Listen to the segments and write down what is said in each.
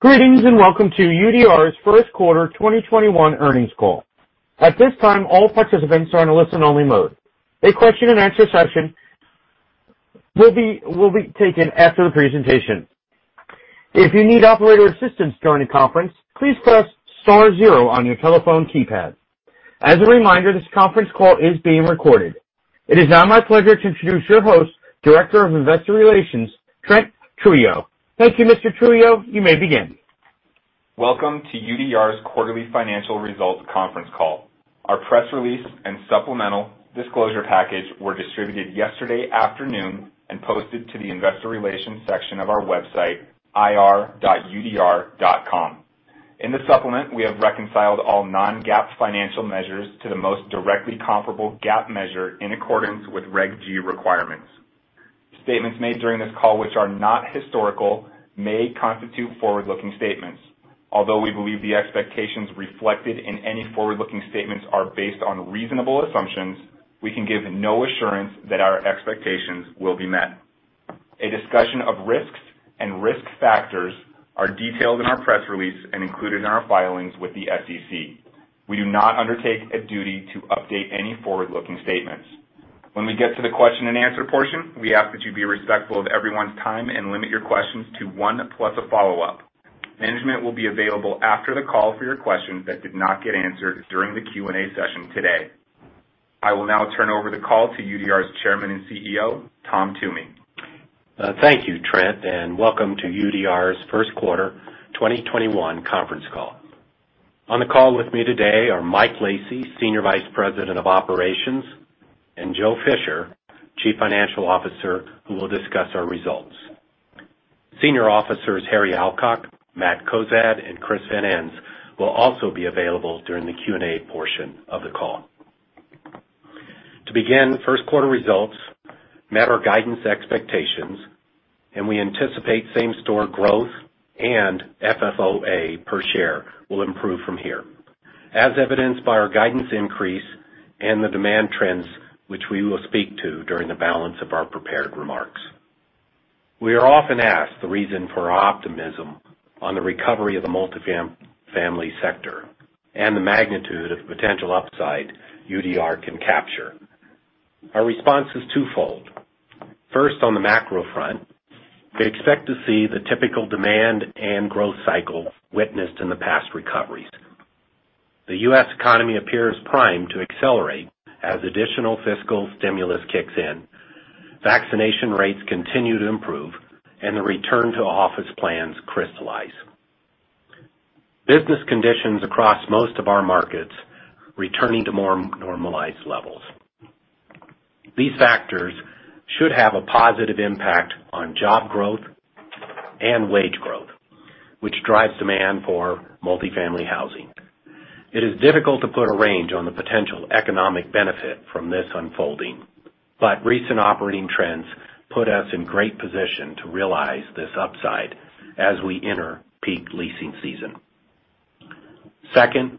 Greetings and welcome to UDR's first quarter 2021 earnings call. At this time, all participants are in a listen only mode. A question and answer session will be taken after the presentation. If you need operator assistance during the conference, please press star zero on your telephone keypad. As a reminder, this conference call is being recorded. It is now my pleasure to introduce your host, Director of Investor Relations, Trent Trujillo. Thank you, Mr. Trujillo. You may begin. Welcome to UDR's quarterly financial results conference call. Our press release and supplemental disclosure package were distributed yesterday afternoon and posted to the investor relations section of our website, ir.udr.com. In the supplement, we have reconciled all non-GAAP financial measures to the most directly comparable GAAP measure in accordance with Reg G requirements. Statements made during this call which are not historical may constitute forward-looking statements. Although we believe the expectations reflected in any forward-looking statements are based on reasonable assumptions, we can give no assurance that our expectations will be met. A discussion of risks and risk factors are detailed in our press release and included in our filings with the SEC. We do not undertake a duty to update any forward-looking statements. When we get to the question and answer portion, we ask that you be respectful of everyone's time and limit your questions to one plus a follow-up. Management will be available after the call for your questions that did not get answered during the Q&A session today. I will now turn over the call to UDR's Chairman and CEO, Tom Toomey. Thank you, Trent. Welcome to UDR's first quarter 2021 conference call. On the call with me today are Mike Lacy, Senior Vice President of Operations, and Joe Fisher, Chief Financial Officer, who will discuss our results. Senior officers Harry Alcock, Matt Cozad, and Chris Van Ens will also be available during the Q&A portion of the call. To begin, first quarter results met our guidance expectations. We anticipate same-store growth and FFOA per share will improve from here, as evidenced by our guidance increase and the demand trends which we will speak to during the balance of our prepared remarks. We are often asked the reason for our optimism on the recovery of the multifamily sector and the magnitude of potential upside UDR can capture. Our response is twofold. First, on the macro front, we expect to see the typical demand and growth cycle witnessed in the past recoveries. The U.S. economy appears primed to accelerate as additional fiscal stimulus kicks in, vaccination rates continue to improve, and the return to office plans crystallize. Business conditions across most of our markets returning to more normalized levels. These factors should have a positive impact on job growth and wage growth, which drives demand for multifamily housing. It is difficult to put a range on the potential economic benefit from this unfolding, but recent operating trends put us in great position to realize this upside as we enter peak leasing season. Second,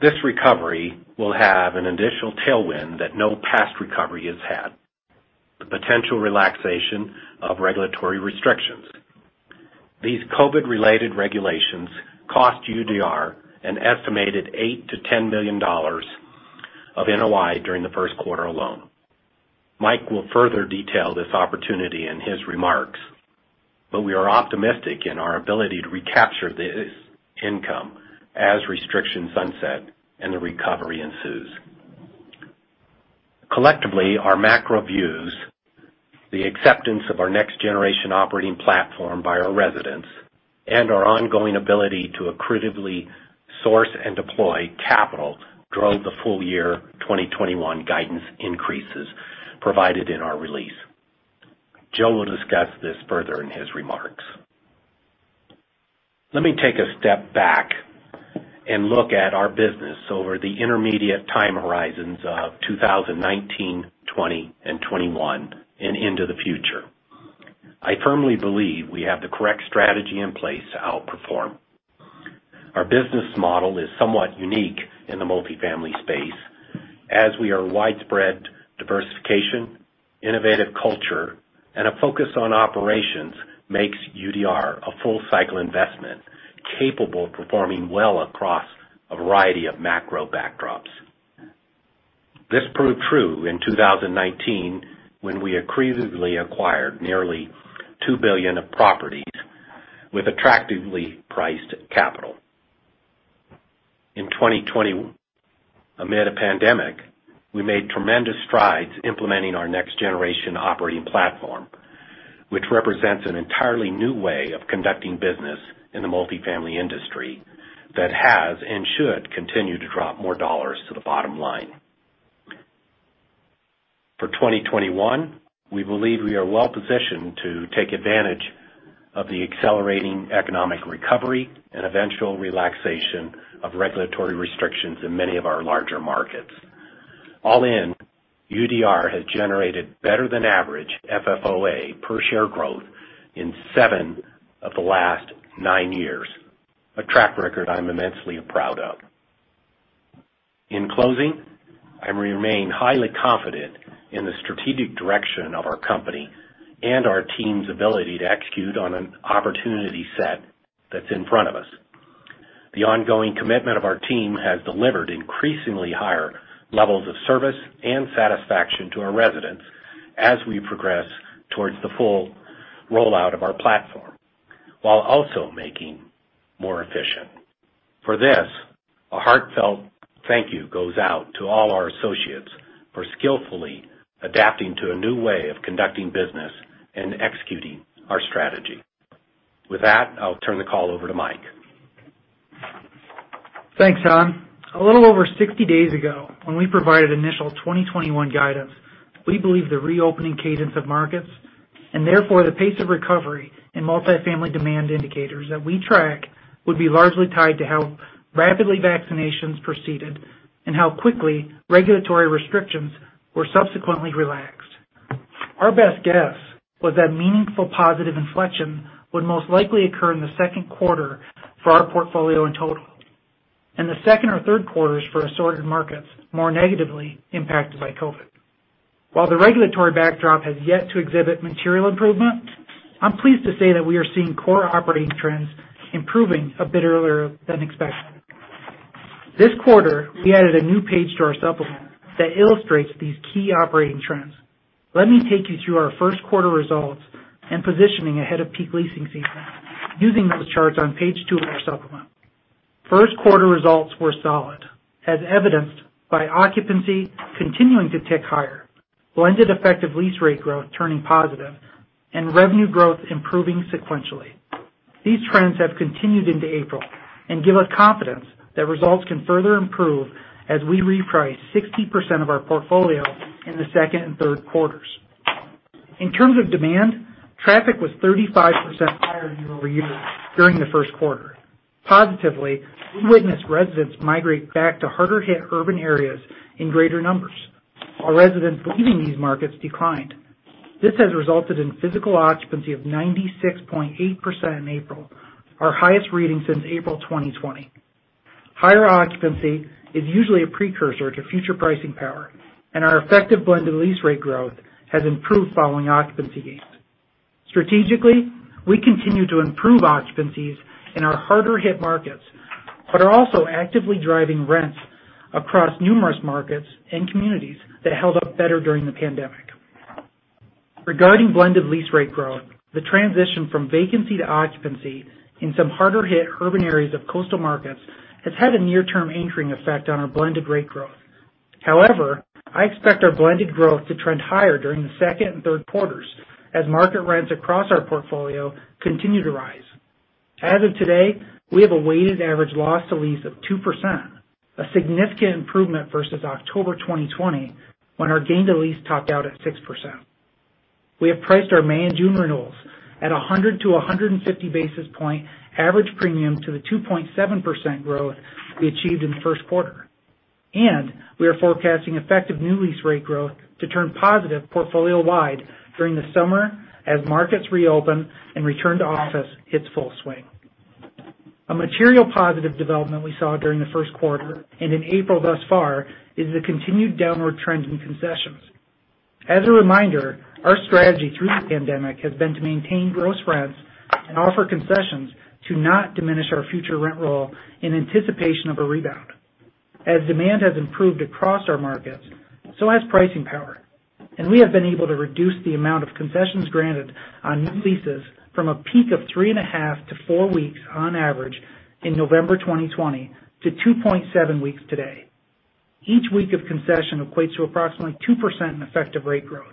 this recovery will have an additional tailwind that no past recovery has had. The potential relaxation of regulatory restrictions. These COVID-related regulations cost UDR an estimated $8 million to $10 million of NOI during the first quarter alone. Mike will further detail this opportunity in his remarks, but we are optimistic in our ability to recapture this income as restrictions sunset and the recovery ensues. Collectively, our macro views, the acceptance of our next generation operating platform by our residents, and our ongoing ability to accretively source and deploy capital drove the full year 2021 guidance increases provided in our release. Joe will discuss this further in his remarks. Let me take a step back and look at our business over the intermediate time horizons of 2019, 2020, and 2021, and into the future. I firmly believe we have the correct strategy in place to outperform. Our business model is somewhat unique in the multifamily space, as our widespread diversification, innovative culture, and a focus on operations makes UDR a full-cycle investment, capable of performing well across a variety of macro backdrops. This proved true in 2019, when we accretively acquired nearly $2 billion of properties with attractively priced capital. In 2020, amid a pandemic, we made tremendous strides implementing our next generation operating platform, which represents an entirely new way of conducting business in the multifamily industry that has and should continue to drop more dollars to the bottom line. For 2021, we believe we are well-positioned to take advantage of the accelerating economic recovery and eventual relaxation of regulatory restrictions in many of our larger markets. All in, UDR has generated better than average FFOA per share growth in seven of the last nine years, a track record I'm immensely proud of. In closing, I remain highly confident in the strategic direction of our company and our team's ability to execute on an opportunity set that's in front of us. The ongoing commitment of our team has delivered increasingly higher levels of service and satisfaction to our residents as we progress towards the full rollout of our platform, while also making more efficient. For this, a heartfelt thank you goes out to all our associates for skillfully adapting to a new way of conducting business and executing our strategy. With that, I'll turn the call over to Mike. Thanks, Tom. A little over 60 days ago, when we provided initial 2021 guidance, we believe the reopening cadence of markets, and therefore the pace of recovery in multi-family demand indicators that we track, would be largely tied to how rapidly vaccinations proceeded and how quickly regulatory restrictions were subsequently relaxed. Our best guess was that meaningful positive inflection would most likely occur in the second quarter for our portfolio in total, and the second or third quarters for assorted markets more negatively impacted by COVID. While the regulatory backdrop has yet to exhibit material improvement, I'm pleased to say that we are seeing core operating trends improving a bit earlier than expected. This quarter, we added a new page to our supplement that illustrates these key operating trends. Let me take you through our first quarter results and positioning ahead of peak leasing season using those charts on page two of our supplement. First quarter results were solid, as evidenced by occupancy continuing to tick higher, blended effective lease rate growth turning positive, and revenue growth improving sequentially. These trends have continued into April and give us confidence that results can further improve as we reprice 60% of our portfolio in the second and third quarters. In terms of demand, traffic was 35% higher year-over-year during the first quarter. Positively, we witnessed residents migrate back to harder hit urban areas in greater numbers, while residents leaving these markets declined. This has resulted in physical occupancy of 96.8% in April, our highest reading since April 2020. Higher occupancy is usually a precursor to future pricing power, and our effective blended lease rate growth has improved following occupancy gains. Strategically, we continue to improve occupancies in our harder hit markets, but are also actively driving rents across numerous markets and communities that held up better during the pandemic. Regarding blended lease rate growth, the transition from vacancy to occupancy in some harder hit urban areas of coastal markets has had a near-term anchoring effect on our blended rate growth. However, I expect our blended growth to trend higher during the second and third quarters as market rents across our portfolio continue to rise. As of today, we have a weighted average loss to lease of 2%, a significant improvement versus October 2020, when our gain to lease topped out at 6%. We have priced our May and June renewals at 100-150 basis point average premium to the 2.7% growth we achieved in the first quarter. We are forecasting effective new lease rate growth to turn positive portfolio-wide during the summer as markets reopen and return to office hits full swing. A material positive development we saw during the first quarter and in April thus far, is the continued downward trend in concessions. As a reminder, our strategy through the pandemic has been to maintain gross rents and offer concessions to not diminish our future rent roll in anticipation of a rebound. As demand has improved across our markets, so has pricing power, and we have been able to reduce the amount of concessions granted on new leases from a peak of three and a half to four weeks on average in November 2020, to 2.7 weeks today. Each week of concession equates to approximately 2% in effective rate growth,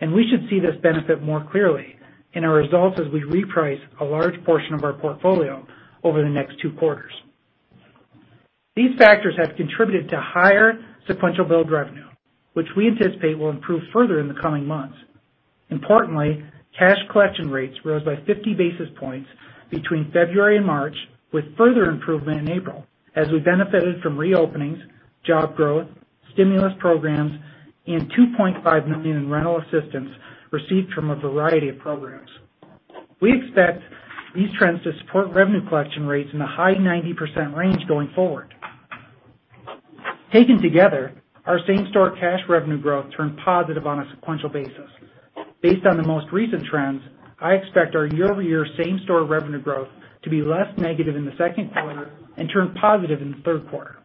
and we should see this benefit more clearly in our results as we reprice a large portion of our portfolio over the next two quarters. These factors have contributed to higher sequential build revenue, which we anticipate will improve further in the coming months. Importantly, cash collection rates rose by 50 basis points between February and March, with further improvement in April as we benefited from reopenings, job growth, stimulus programs, and $2.5 million in rental assistance received from a variety of programs. We expect these trends to support revenue collection rates in the high 90% range going forward. Taken together, our same-store cash revenue growth turned positive on a sequential basis. Based on the most recent trends, I expect our year-over-year same-store revenue growth to be less negative in the second quarter and turn positive in the third quarter.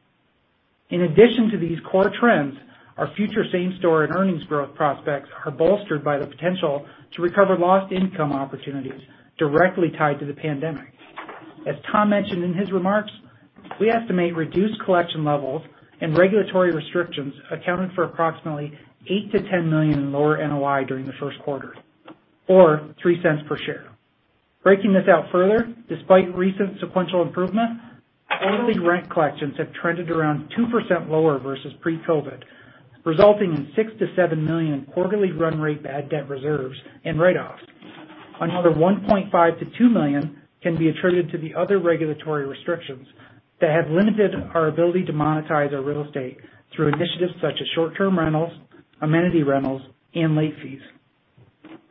In addition to these core trends, our future same-store and earnings growth prospects are bolstered by the potential to recover lost income opportunities directly tied to the pandemic. As Tom mentioned in his remarks, we estimate reduced collection levels and regulatory restrictions accounted for approximately $8 million-$10 million in lower NOI during the first quarter, or $0.03 per share. Breaking this out further, despite recent sequential improvement, quarterly rent collections have trended around 2% lower versus pre-COVID, resulting in $6 million-$7 million in quarterly run rate bad debt reserves and write-offs. Another $1.5 million-$2 million can be attributed to the other regulatory restrictions that have limited our ability to monetize our real estate through initiatives such as short-term rentals, amenity rentals, and late fees.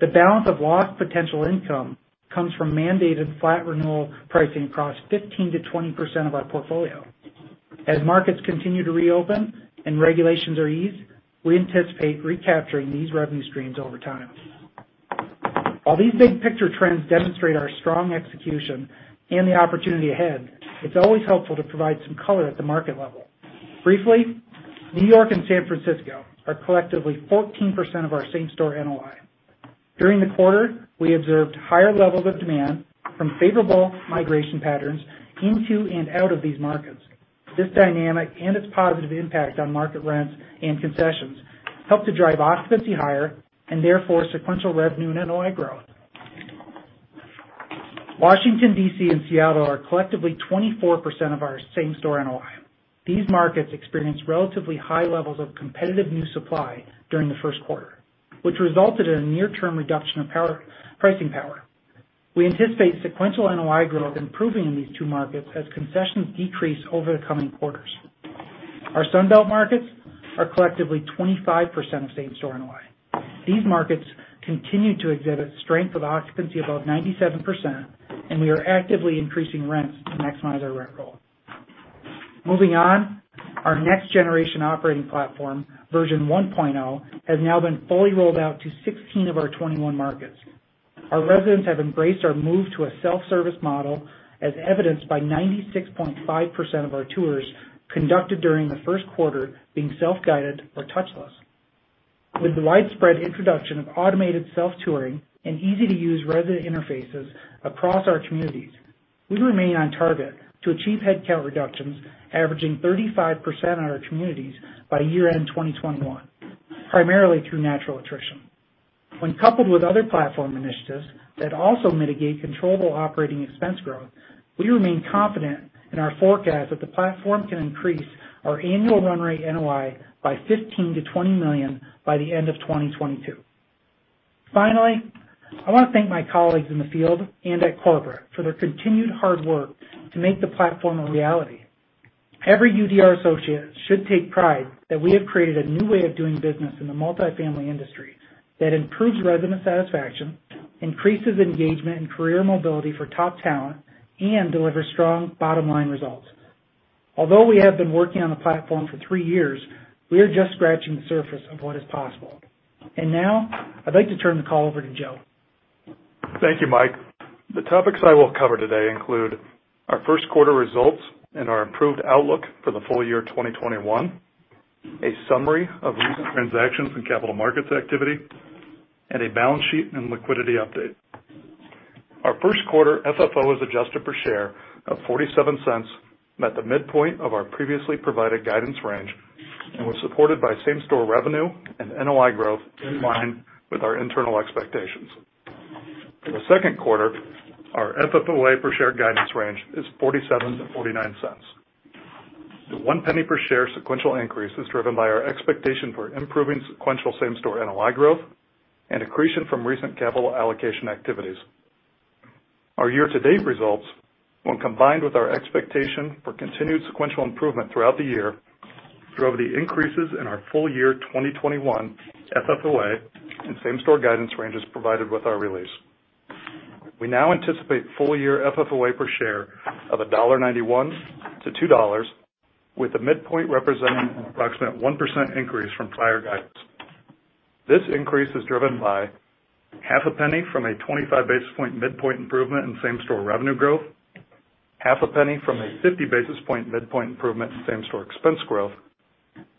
The balance of lost potential income comes from mandated flat renewal pricing across 15%-20% of our portfolio. As markets continue to reopen and regulations are eased, we anticipate recapturing these revenue streams over time. While these big picture trends demonstrate our strong execution and the opportunity ahead, it is always helpful to provide some color at the market level. Briefly, New York and San Francisco are collectively 14% of our same-store NOI. During the quarter, we observed higher levels of demand from favorable migration patterns into and out of these markets. This dynamic and its positive impact on market rents and concessions helped to drive occupancy higher and therefore sequential revenue and NOI growth. Washington, D.C., and Seattle are collectively 24% of our same-store NOI. These markets experienced relatively high levels of competitive new supply during the first quarter, which resulted in a near-term reduction of pricing power. We anticipate sequential NOI growth improving in these two markets as concessions decrease over the coming quarters. Our Sun Belt markets are collectively 25% of same-store NOI. These markets continue to exhibit strength with occupancy above 97%, and we are actively increasing rents to maximize our rent roll. Moving on. Our next generation operating platform, version 1.0, has now been fully rolled out to 16 of our 21 markets. Our residents have embraced our move to a self-service model as evidenced by 96.5% of our tours conducted during the first quarter being self-guided or touchless. With the widespread introduction of automated self-touring and easy-to-use resident interfaces across our communities, we remain on target to achieve headcount reductions averaging 35% in our communities by year-end 2021, primarily through natural attrition. When coupled with other platform initiatives that also mitigate controllable operating expense growth, we remain confident in our forecast that the platform can increase our annual run rate NOI by $15 million-$20 million by the end of 2022. Finally, I want to thank my colleagues in the field and at corporate for their continued hard work to make the platform a reality. Every UDR associate should take pride that we have created a new way of doing business in the multifamily industry that improves resident satisfaction, increases engagement and career mobility for top talent, and delivers strong bottom-line results. Although we have been working on the platform for three years, we are just scratching the surface of what is possible. Now, I'd like to turn the call over to Joe. Thank you, Mike. The topics I will cover today include our first quarter results and our improved outlook for the full year 2021, a summary of recent transactions and capital markets activity, and a balance sheet and liquidity update. Our first quarter FFO as adjusted per share of $0.47 met the midpoint of our previously provided guidance range and was supported by same-store revenue and NOI growth in line with our internal expectations. For the second quarter, our FFO per share guidance range is $0.47-$0.49. The $0.01 per share sequential increase is driven by our expectation for improving sequential same-store NOI growth and accretion from recent capital allocation activities. Our year-to-date results, when combined with our expectation for continued sequential improvement throughout the year, drove the increases in our full year 2021 FFOA and same-store guidance ranges provided with our release. We now anticipate full year FFOA per share of $1.91-$2, with the midpoint representing an approximate 1% increase from prior guidance. This increase is driven by half a penny from a 25-basis-point midpoint improvement in same-store revenue growth, half a penny from a 50-basis-point midpoint improvement in same-store expense growth,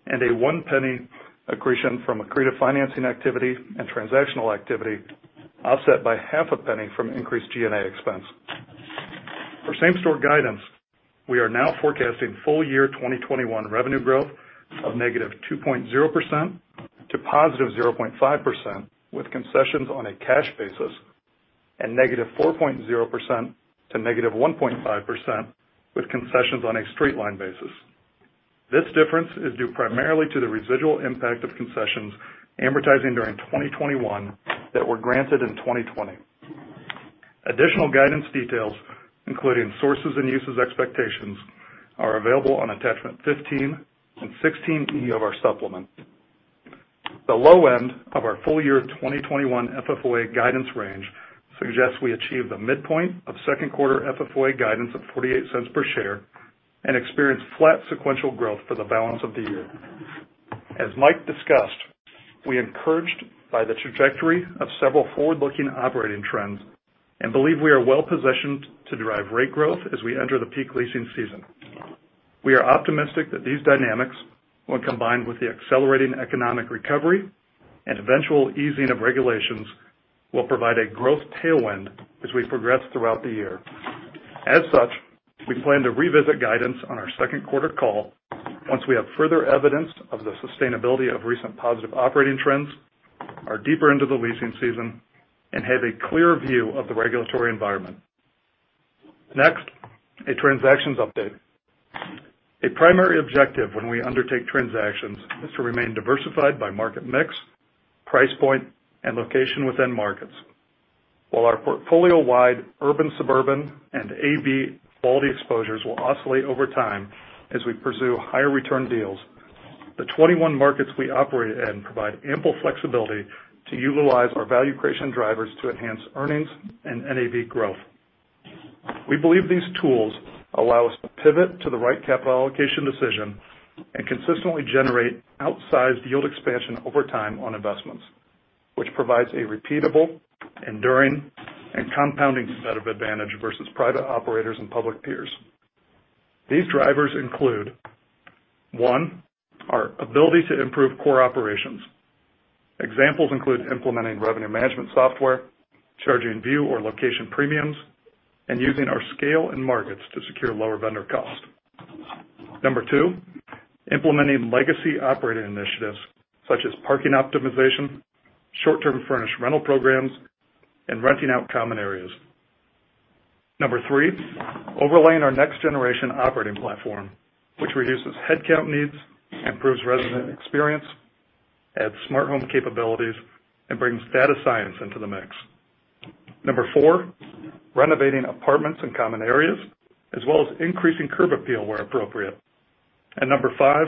and a $0.01 accretion from accretive financing activity and transactional activity, offset by half a penny from increased G&A expense. For same-store guidance, we are now forecasting full year 2021 revenue growth of -2.0% to +0.5%, with concessions on a cash basis, and -4.0% to -1.5% with concessions on a straight line basis. This difference is due primarily to the residual impact of concessions amortizing during 2021 that were granted in 2020. Additional guidance details, including sources and uses expectations, are available on attachment 15 and 16E of our supplement. The low end of our full year 2021 FFOA guidance range suggests we achieve the midpoint of second quarter FFOA guidance of $0.48 per share and experience flat sequential growth for the balance of the year. As Mike discussed, we're encouraged by the trajectory of several forward-looking operating trends and believe we are well-positioned to derive rate growth as we enter the peak leasing season. We are optimistic that these dynamics, when combined with the accelerating economic recovery and eventual easing of regulations, will provide a growth tailwind as we progress throughout the year. As such, we plan to revisit guidance on our second quarter call once we have further evidence of the sustainability of recent positive operating trends, are deeper into the leasing season, and have a clear view of the regulatory environment. Next, a transactions update. A primary objective when we undertake transactions is to remain diversified by market mix, price point, and location within markets. While our portfolio-wide urban/suburban and A/B quality exposures will oscillate over time as we pursue higher return deals, the 21 markets we operate in provide ample flexibility to utilize our value creation drivers to enhance earnings and NAV growth. We believe these tools allow us to pivot to the right capital allocation decision and consistently generate outsized yield expansion over time on investments. Which provides a repeatable, enduring, and compounding competitive advantage versus private operators and public peers. These drivers include, one, our ability to improve core operations. Examples include implementing revenue management software, charging view or location premiums, and using our scale and markets to secure lower vendor cost. Number two, implementing legacy operating initiatives such as parking optimization, short-term furnished rental programs, and renting out common areas. Number three, overlaying our next-generation operating platform, which reduces headcount needs, improves resident experience, adds smart home capabilities, and brings data science into the mix. Number four, renovating apartments and common areas, as well as increasing curb appeal where appropriate. Number five,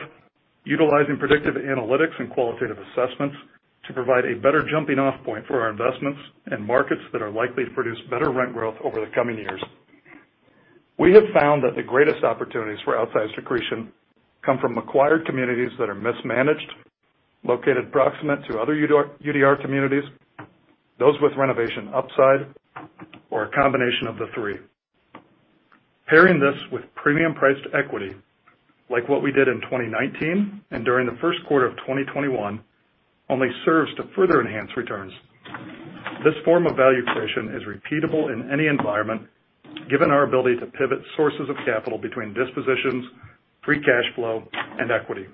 utilizing predictive analytics and qualitative assessments to provide a better jumping-off point for our investments in markets that are likely to produce better rent growth over the coming years. We have found that the greatest opportunities for outsized accretion come from acquired communities that are mismanaged, located proximate to other UDR communities, those with renovation upside, or a combination of the three. Pairing this with premium-priced equity, like what we did in 2019 and during the first quarter of 2021, only serves to further enhance returns. This form of value creation is repeatable in any environment, given our ability to pivot sources of capital between dispositions, free cash flow, and equity.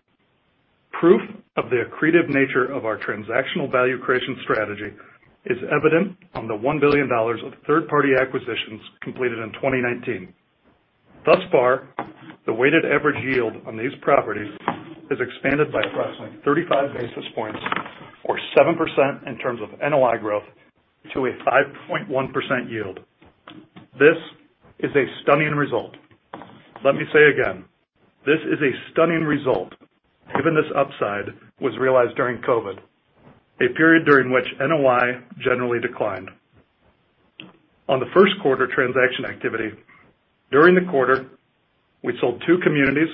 Proof of the accretive nature of our transactional value creation strategy is evident on the $1 billion of third-party acquisitions completed in 2019. Thus far, the weighted average yield on these properties has expanded by approximately 35 basis points, or 7% in terms of NOI growth, to a 5.1% yield. This is a stunning result. Let me say again, this is a stunning result given this upside was realized during COVID, a period during which NOI generally declined. On the first quarter transaction activity, during the quarter, we sold two communities,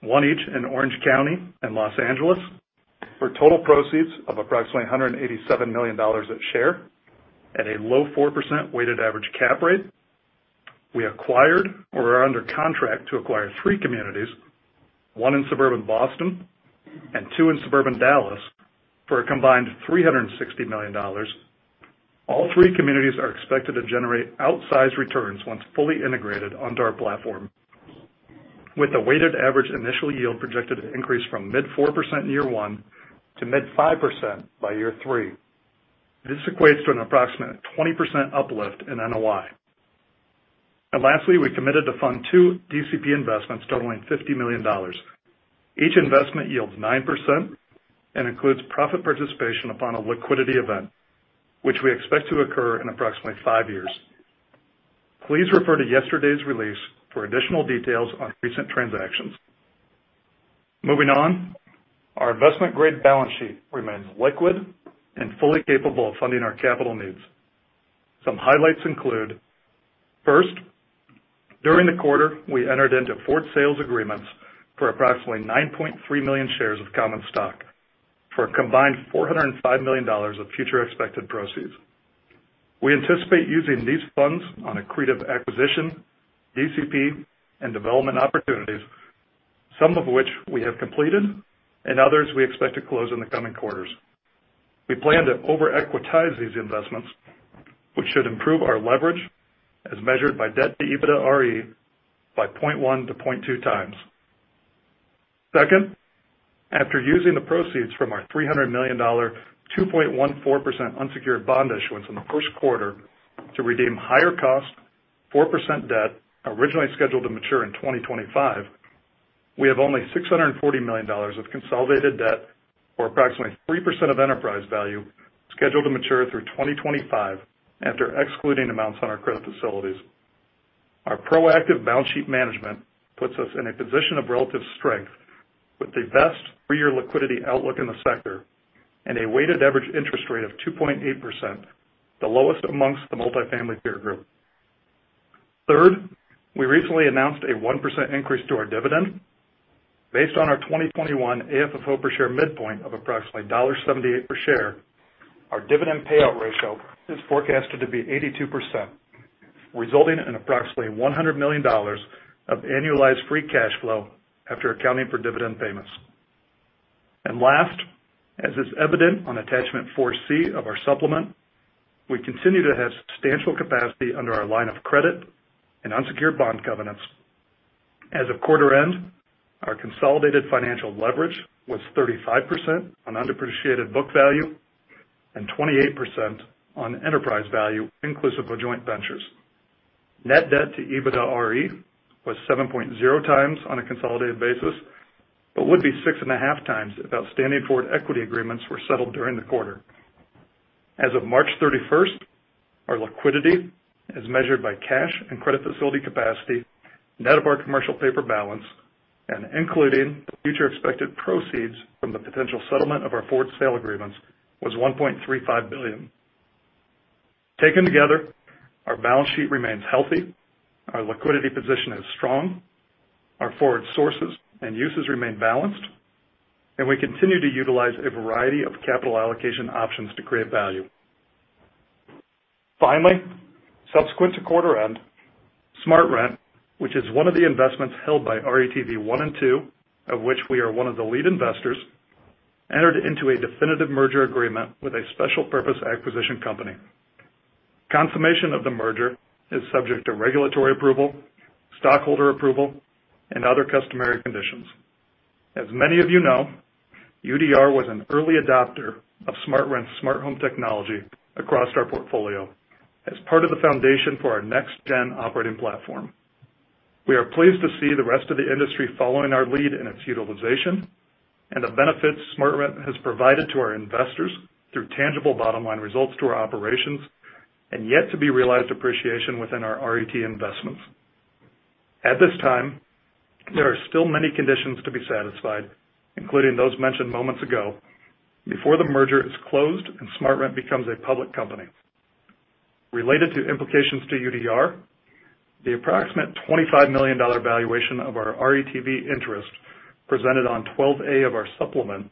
one each in Orange County and Los Angeles, for total proceeds of approximately $187 million at share at a low 4% weighted average cap rate. We acquired or are under contract to acquire three communities, one in suburban Boston and two in suburban Dallas, for a combined $360 million. All three communities are expected to generate outsized returns once fully integrated onto our platform, with a weighted average initial yield projected to increase from mid 4% in year one to mid 5% by year three. This equates to an approximate 20% uplift in NOI. Lastly, we committed to fund two DCP investments totaling $50 million. Each investment yields 9% and includes profit participation upon a liquidity event, which we expect to occur in approximately five years. Please refer to yesterday's release for additional details on recent transactions. Moving on, our investment-grade balance sheet remains liquid and fully capable of funding our capital needs. Some highlights include, first, during the quarter, we entered into forward sales agreements for approximately 9.3 million shares of common stock for a combined $405 million of future expected proceeds. We anticipate using these funds on accretive acquisition, DCP, and development opportunities, some of which we have completed and others we expect to close in the coming quarters. We plan to over-equitize these investments, which should improve our leverage as measured by debt-to-EBITDAre by 0.1 to 0.2 times. Second, after using the proceeds from our $300 million 2.14% unsecured bond issuance in the first quarter to redeem higher-cost 4% debt originally scheduled to mature in 2025, we have only $640 million of consolidated debt or approximately 3% of enterprise value scheduled to mature through 2025 after excluding amounts on our credit facilities. Our proactive balance sheet management puts us in a position of relative strength with the best three-year liquidity outlook in the sector and a weighted average interest rate of 2.8%, the lowest amongst the multifamily peer group. Third, we recently announced a 1% increase to our dividend. Based on our 2021 AFFO per share midpoint of approximately $1.78 per share, our dividend payout ratio is forecasted to be 82%, resulting in approximately $100 million of annualized free cash flow after accounting for dividend payments. Last, as is evident on attachment 4C of our supplement, we continue to have substantial capacity under our line of credit and unsecured bond covenants. As of quarter end, our consolidated financial leverage was 35% on underappreciated book value and 28% on enterprise value inclusive of joint ventures. Net debt to EBITDAre was 7.0 times on a consolidated basis, but would be 6.5 times if outstanding forward equity agreements were settled during the quarter. As of March 31, 2021, our liquidity, as measured by cash and credit facility capacity, net of our commercial paper balance, and including the future expected proceeds from the potential settlement of our forward sale agreements, was $1.35 billion. Taken together, our balance sheet remains healthy, our liquidity position is strong, our forward sources and uses remain balanced, and we continue to utilize a variety of capital allocation options to create value. Subsequent to quarter end, SmartRent, which is one of the investments held by RETV 1 and 2, of which we are one of the lead investors, entered into a definitive merger agreement with a special purpose acquisition company. Confirmation of the merger is subject to regulatory approval, stockholder approval, and other customary conditions. As many of you know, UDR was an early adopter of SmartRent's smart home technology across our portfolio as part of the foundation for our next-gen operating platform. We are pleased to see the rest of the industry following our lead in its utilization and the benefits SmartRent has provided to our investors through tangible bottom-line results to our operations and yet to be realized appreciation within our RET investments. At this time, there are still many conditions to be satisfied, including those mentioned moments ago, before the merger is closed and SmartRent becomes a public company. Related to implications to UDR, the approximate $25 million valuation of our RETV interest presented on 12-A of our supplement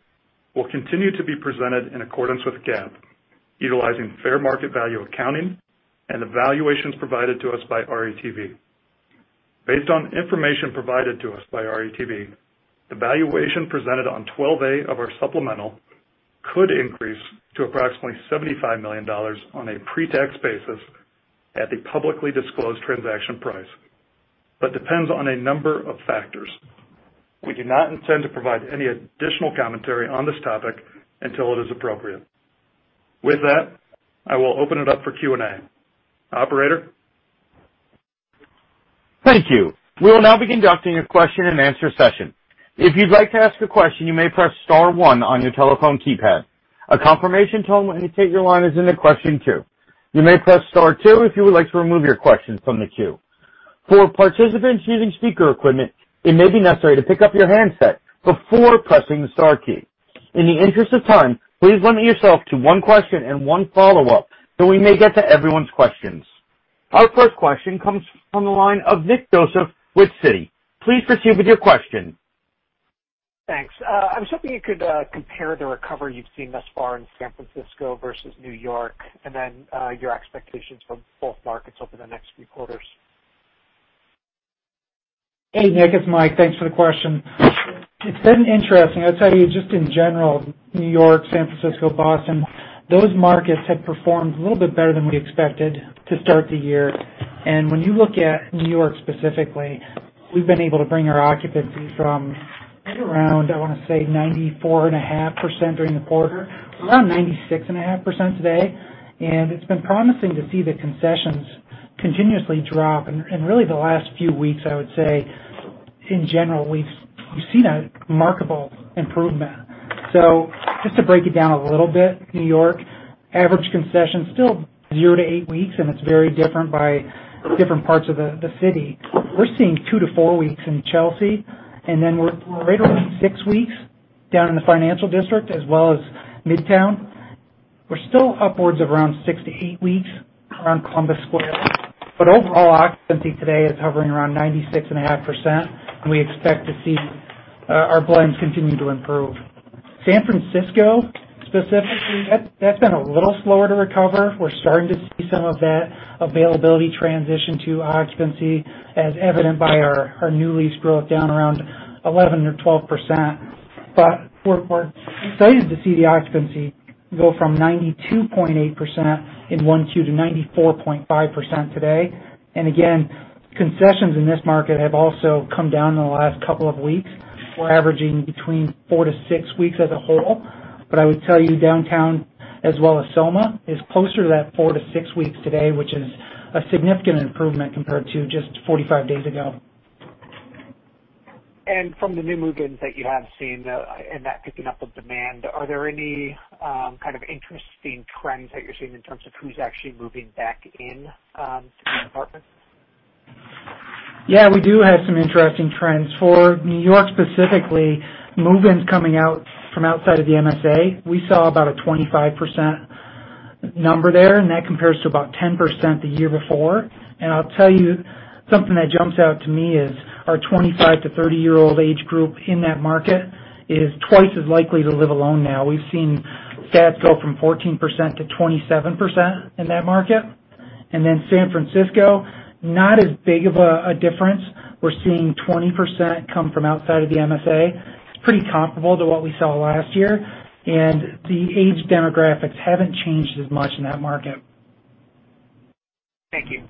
will continue to be presented in accordance with GAAP, utilizing fair market value accounting and evaluations provided to us by RETV. Based on information provided to us by RETV, the valuation presented on 12-A of our supplemental could increase to approximately $75 million on a pre-tax basis at the publicly disclosed transaction price, but depends on a number of factors. We do not intend to provide any additional commentary on this topic until it is appropriate. With that, I will open it up for Q&A. Operator? Thank you. We will now be conducting a question-and-answer session. If you'd like to ask a question, you may press star one on your telephone keypad. A confirmation tone will indicate your line is in the question queue. You may press star two if you would like to remove your question from the queue. For participants using speaker equipment, it may be necessary to pick up your handset before pressing the star key. In the interest of time, please limit yourself to one question and one follow-up so we may get to everyone's questions. Our first question comes from the line of Nick Joseph with Citi. Please proceed with your question. Thanks. I was hoping you could compare the recovery you've seen thus far in San Francisco versus New York, and then your expectations for both markets over the next few quarters. Hey, Nick Joseph, it's Mike. Thanks for the question. It's been interesting. I'd tell you just in general, New York, San Francisco, Boston, those markets have performed a little bit better than we expected to start the year. When you look at New York specifically, we've been able to bring our occupancy from at around, I want to say, 94.5% during the quarter. We're around 96.5% today, and it's been promising to see the concessions continuously drop. Really, the last few weeks, I would say, in general, we've seen a remarkable improvement. Just to break it down a little bit, New York average concession's still 0-8 weeks, and it's very different by different parts of the city. We're seeing 2-4 weeks in Chelsea, and then we're right around six weeks down in the Financial District as well as Midtown. We're still upwards of around 6-8 weeks around Columbus Square. Overall, occupancy today is hovering around 96.5%, and we expect to see our blends continue to improve. San Francisco, specifically, that's been a little slower to recover. We're starting to see some of that availability transition to occupancy, as evident by our new lease growth down around 11% or 12%. We're excited to see the occupancy go from 92.8% in Q1 to 94.5% today. Again, concessions in this market have also come down in the last couple of weeks. We're averaging between 4 weeks-6 weeks as a whole. I would tell you downtown as well as SoMa is closer to that 4 weeks -6 weeks today, which is a significant improvement compared to just 45 days ago. From the new move-ins that you have seen and that picking up of demand, are there any kind of interesting trends that you're seeing in terms of who's actually moving back in to the apartments? Yeah, we do have some interesting trends. For New York specifically, move-ins coming out from outside of the MSA, we saw about a 25% number there, that compares to about 10% the year before. I'll tell you something that jumps out to me is our 25-30 year-old age group in that market is twice as likely to live alone now. We've seen that go from 14% to 27% in that market. San Francisco, not as big of a difference. We're seeing 20% come from outside of the MSA. It's pretty comparable to what we saw last year, the age demographics haven't changed as much in that market. Thank you.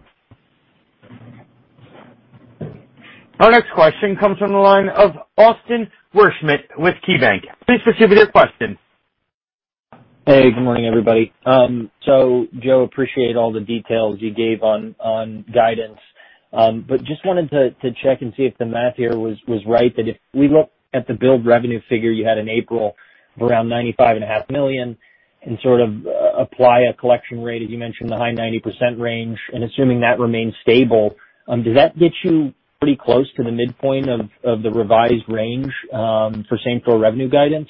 Our next question comes from the line of Austin Wurschmidt with KeyBanc. Please proceed with your question. Hey, good morning, everybody. Joe, appreciate all the details you gave on guidance. Just wanted to check and see if the math here was right. That if we look at the build revenue figure you had in April of around $95.5 million and sort of apply a collection rate, as you mentioned, the high 90% range, and assuming that remains stable, does that get you pretty close to the midpoint of the revised range, for same-store revenue guidance?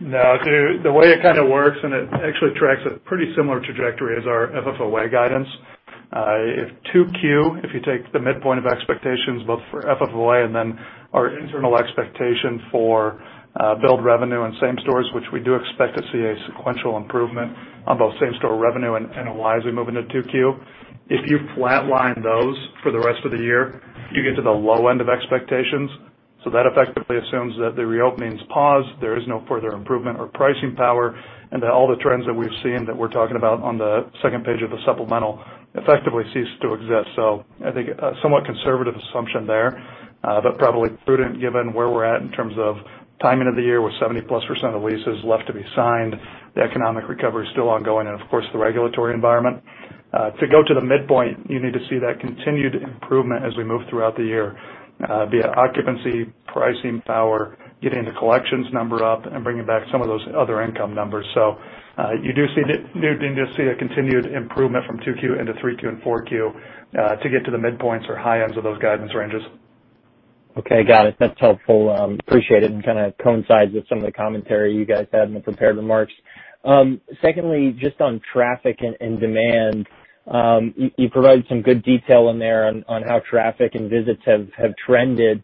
No, the way it kind of works, and it actually tracks a pretty similar trajectory as our FFOA guidance. If 2Q, if you take the midpoint of expectations both for FFOA and then our internal expectation for build revenue and same stores, which we do expect to see a sequential improvement on both same-store revenue and NOI as we move into 2Q. If you flatline those for the rest of the year, you get to the low end of expectations. That effectively assumes that the reopenings pause, there is no further improvement or pricing power, and that all the trends that we've seen that we're talking about on the second page of the supplemental effectively cease to exist. I think a somewhat conservative assumption there, but probably prudent given where we're at in terms of timing of the year, with 70+% of leases left to be signed, the economic recovery still ongoing, and of course, the regulatory environment. To go to the midpoint, you need to see that continued improvement as we move throughout the year, via occupancy, pricing power, getting the collections number up, and bringing back some of those other income numbers. You do need to see a continued improvement from 2Q into 3Q and 4Q, to get to the midpoints or high ends of those guidance ranges. Okay. Got it. That's helpful. Appreciate it. Kind of coincides with some of the commentary you guys had in the prepared remarks. Secondly, just on traffic and demand, you provided some good detail in there on how traffic and visits have trended.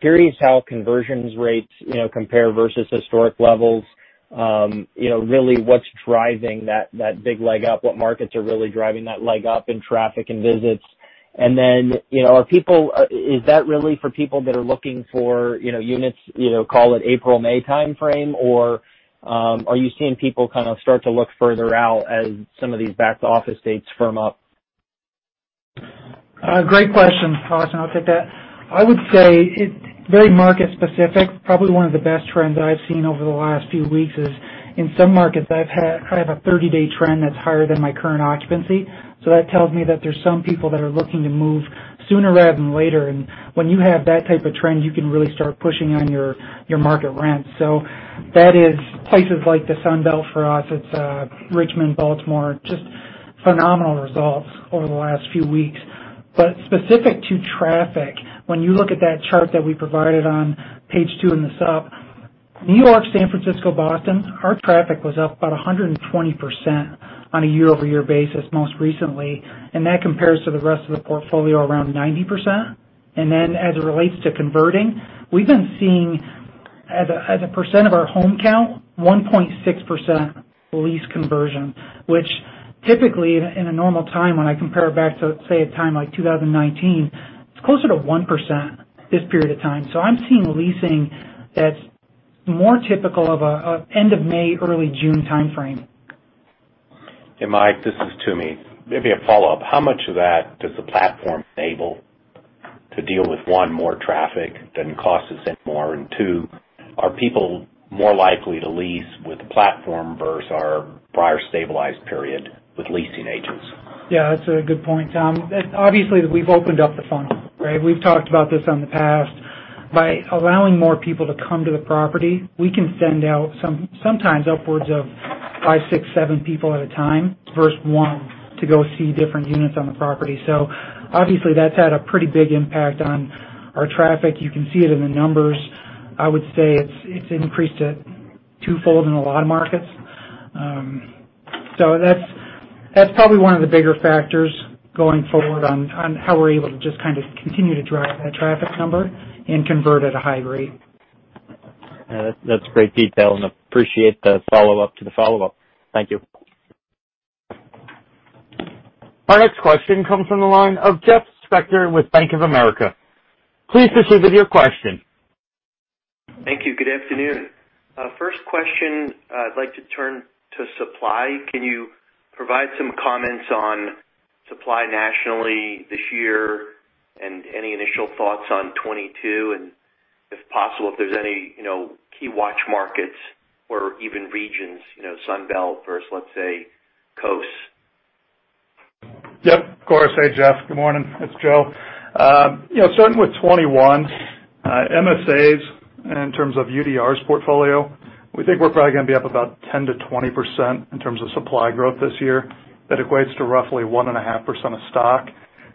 Curious how conversions rates compare versus historic levels. Really, what's driving that big leg up? What markets are really driving that leg up in traffic and visits? Is that really for people that are looking for units, call it April, May timeframe? Are you seeing people kind of start to look further out as some of these back-to-office dates firm up? Great question, Austin. I'll take that. I would say it's very market specific. Probably one of the best trends I've seen over the last few weeks is in some markets I have a 30-day trend that's higher than my current occupancy. That tells me that there's some people that are looking to move sooner rather than later. When you have that type of trend, you can really start pushing on your market rents. That is places like the Sun Belt for us. It's Richmond, Baltimore. Just phenomenal results over the last few weeks. Specific to traffic, when you look at that chart that we provided on page two in the sup, New York, San Francisco, Boston, our traffic was up about 120% on a year-over-year basis most recently, and that compares to the rest of the portfolio around 90%. As it relates to converting, we've been seeing as a percent of our home count, 1.6% lease conversion, which typically in a normal time, when I compare it back to, say, a time like 2019, it's closer to 1% this period of time. I'm seeing leasing that's more typical of an end of May, early June timeframe. Hey, Mike, this is Toomey. Maybe a follow-up. How much of that does the platform enable to deal with, one, more traffic than costs us anymore? Two, are people more likely to lease with the platform versus our prior stabilized period with leasing agents? Yeah, that's a good point, Tom. Obviously, we've opened up the funnel, right? We've talked about this in the past. By allowing more people to come to the property, we can send out sometimes upwards of five, six, seven people at a time versus one to go see different units on the property. Obviously, that's had a pretty big impact on our traffic. You can see it in the numbers. I would say it's increased to twofold in a lot of markets. That's probably one of the bigger factors going forward on how we're able to just kind of continue to drive that traffic number and convert at a high rate. Yeah, that's great detail and appreciate the follow-up to the follow-up. Thank you. Our next question comes from the line of Jeff Spector with Bank of America. Please proceed with your question. Thank you. Good afternoon. First question, I'd like to turn to supply. Can you provide some comments on supply nationally this year and any initial thoughts on 2022? If possible, if there's any key watch markets or even regions, Sun Belt versus, let's say, coast. Yep. Of course. Hey, Jeff. Good morning. It's Joe. Starting with 2021, MSAs in terms of UDR's portfolio, we think we're probably going to be up about 10%-20% in terms of supply growth this year. That equates to roughly 1.5% of stock.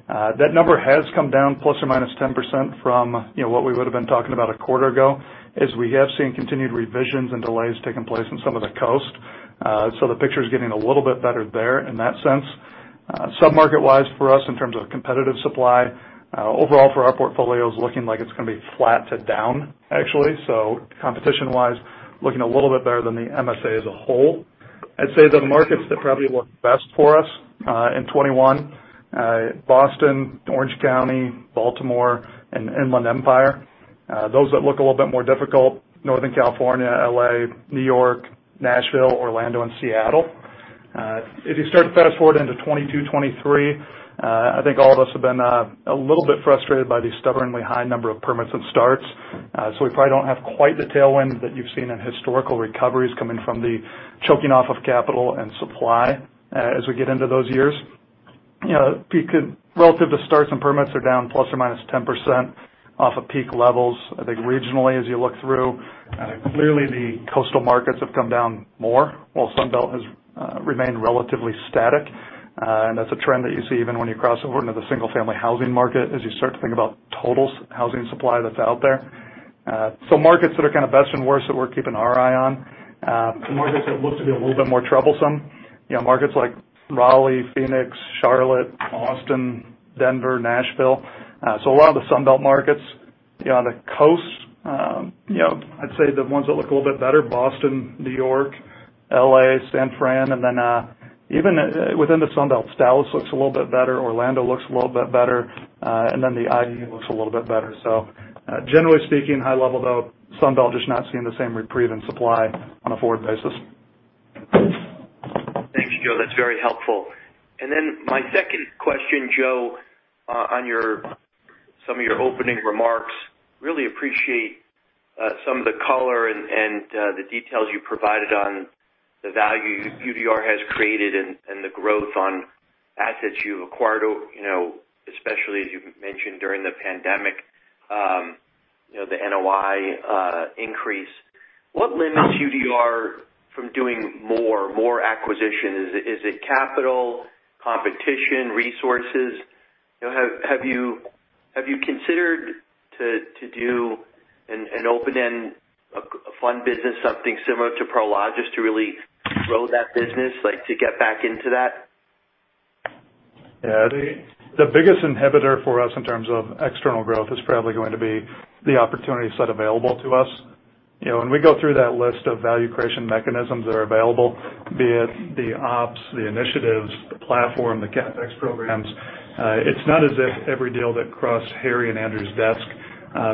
That number has come down ±10% from what we would've been talking about a quarter ago, as we have seen continued revisions and delays taking place on some of the coast. The picture's getting a little bit better there in that sense. Sub-market-wise for us in terms of competitive supply, overall for our portfolio, is looking like it's going to be flat to down, actually. Competition-wise, looking a little bit better than the MSA as a whole. I'd say the markets that probably look best for us in 2021, Boston, Orange County, Baltimore, and Inland Empire. Those that look a little bit more difficult, Northern California, L.A., New York, Nashville, Orlando, and Seattle. If you start to fast-forward into 2022, 2023, I think all of us have been a little bit frustrated by the stubbornly high number of permits and starts. We probably don't have quite the tailwind that you've seen in historical recoveries coming from the choking off of capital and supply as we get into those years. Relative to starts and permits are down ±10% off of peak levels, I think regionally, as you look through. Clearly, the coastal markets have come down more, while Sun Belt has remained relatively static. That's a trend that you see even when you cross over into the single-family housing market, as you start to think about total housing supply that's out there. Markets that are kind of best and worst that we're keeping our eye on. The markets that look to be a little bit more troublesome. Markets like Raleigh, Phoenix, Charlotte, Austin, Denver, Nashville. A lot of the Sun Belt markets. On the coast, I'd say the ones that look a little bit better, Boston, New York, L.A., San Fran, and then even within the Sun Belt, Dallas looks a little bit better. Orlando looks a little bit better. The IE looks a little bit better. Generally speaking, high level, though, Sun Belt just not seeing the same reprieve in supply on a forward basis. Thanks, Joe. That's very helpful. My second question, Joe, on some of your opening remarks. Really appreciate some of the color and the details you provided on the value UDR has created and the growth on assets you've acquired, especially as you mentioned during the pandemic, the NOI increase. What limits UDR from doing more acquisitions? Is it capital, competition, resources? Have you considered to do an open-end fund business, something similar to Prologis to really grow that business, like to get back into that? The biggest inhibitor for us in terms of external growth is probably going to be the opportunity set available to us. When we go through that list of value creation mechanisms that are available, be it the ops, the initiatives, the platform, the CapEx programs, it's not as if every deal that crosses Harry and Andrew's desk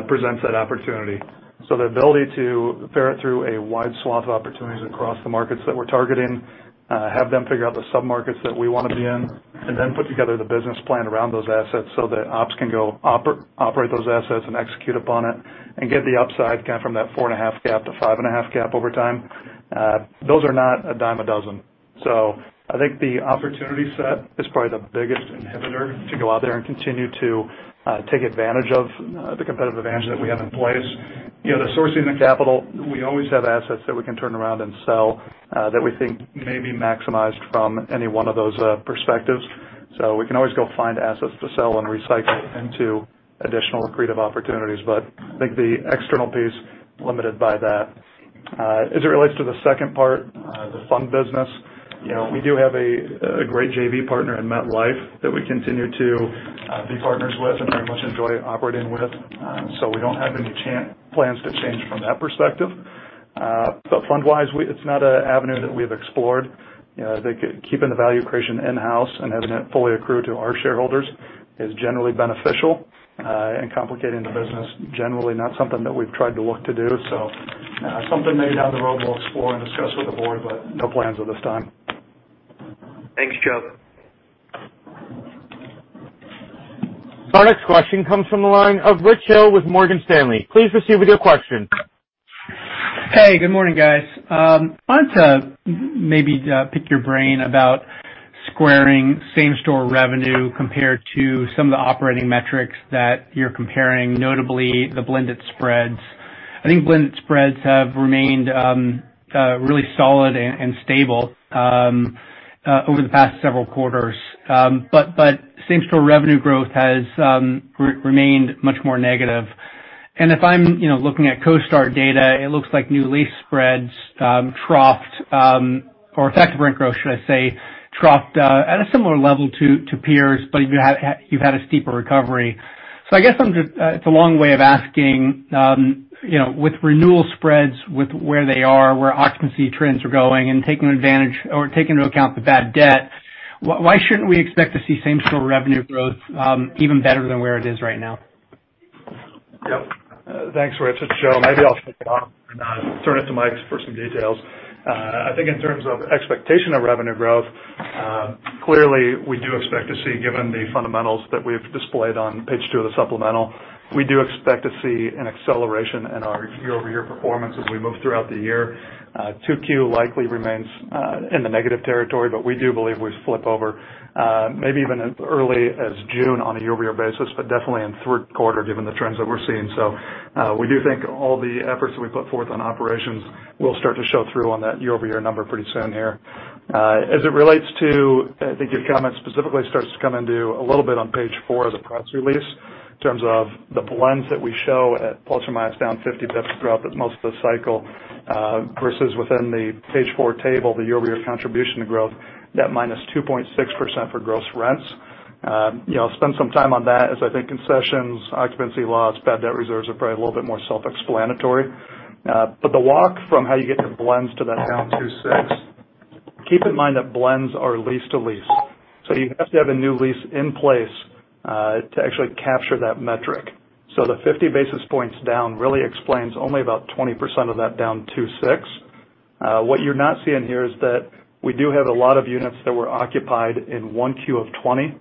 presents that opportunity. The ability to ferret through a wide swath of opportunities across the markets that we're targeting, have them figure out the sub-markets that we want to be in, and then put together the business plan around those assets so that ops can go operate those assets and execute upon it and get the upside from that four-and-a-half cap to five-and-a-half cap over time. Those are not a dime a dozen. I think the opportunity set is probably the biggest inhibitor to go out there and continue to take advantage of the competitive advantage that we have in place. The sourcing, the capital, we always have assets that we can turn around and sell that we think may be maximized from any one of those perspectives. We can always go find assets to sell and recycle into additional accretive opportunities. I think the external piece, limited by that. As it relates to the second part, the fund business, we do have a great JV partner in MetLife that we continue to be partners with and very much enjoy operating with. We don't have any plans to change from that perspective. Fund-wise, it's not an avenue that we've explored. I think keeping the value creation in-house and having it fully accrue to our shareholders is generally beneficial, and complicating the business, generally not something that we've tried to look to do. Something maybe down the road we'll explore and discuss with the board, but no plans at this time. Thanks, Joe. Our next question comes from the line of Rich Hill with Morgan Stanley. Please proceed with your question. Hey, good morning, guys. I wanted to maybe pick your brain about squaring same-store revenue compared to some of the operating metrics that you're comparing, notably the blended spreads. I think blended spreads have remained really solid and stable over the past several quarters. Same-store revenue growth has remained much more negative. If I'm looking at CoStar data, it looks like new lease spreads troughed, or effective rent growth, should I say, troughed at a similar level to peers, but you've had a steeper recovery. I guess it's a long way of asking, with renewal spreads, with where they are, where occupancy trends are going, and taking into account the bad debt, why shouldn't we expect to see same-store revenue growth even better than where it is right now? Yep. Thanks, Rich. It's Joe. Maybe I'll kick it off and turn it to Mike for some details. I think in terms of expectation of revenue growth, clearly, we do expect to see, given the fundamentals that we've displayed on page two of the supplemental, we do expect to see an acceleration in our year-over-year performance as we move throughout the year. 2Q likely remains in the negative territory, but we do believe we flip over maybe even as early as June on a year-over-year basis, but definitely in the third quarter given the trends that we're seeing. We do think all the efforts that we put forth on operations will start to show through on that year-over-year number pretty soon here. As it relates to, I think your comment specifically starts to come into a little bit on page four of the press release in terms of the blends that we show at plus or minus down 50 basis points throughout most of the cycle versus within the page four table, the year-over-year contribution to growth, net -2.6% for gross rents. I'll spend some time on that as I think concessions, occupancy loss, bad debt reserves are probably a little bit more self-explanatory. The walk from how you get your blends to that -2.6, keep in mind that blends are lease to lease. You have to have a new lease in place to actually capture that metric. The 50 basis points down really explains only about 20% of that -26. What you're not seeing here is that we do have a lot of units that were occupied in 1Q of 2020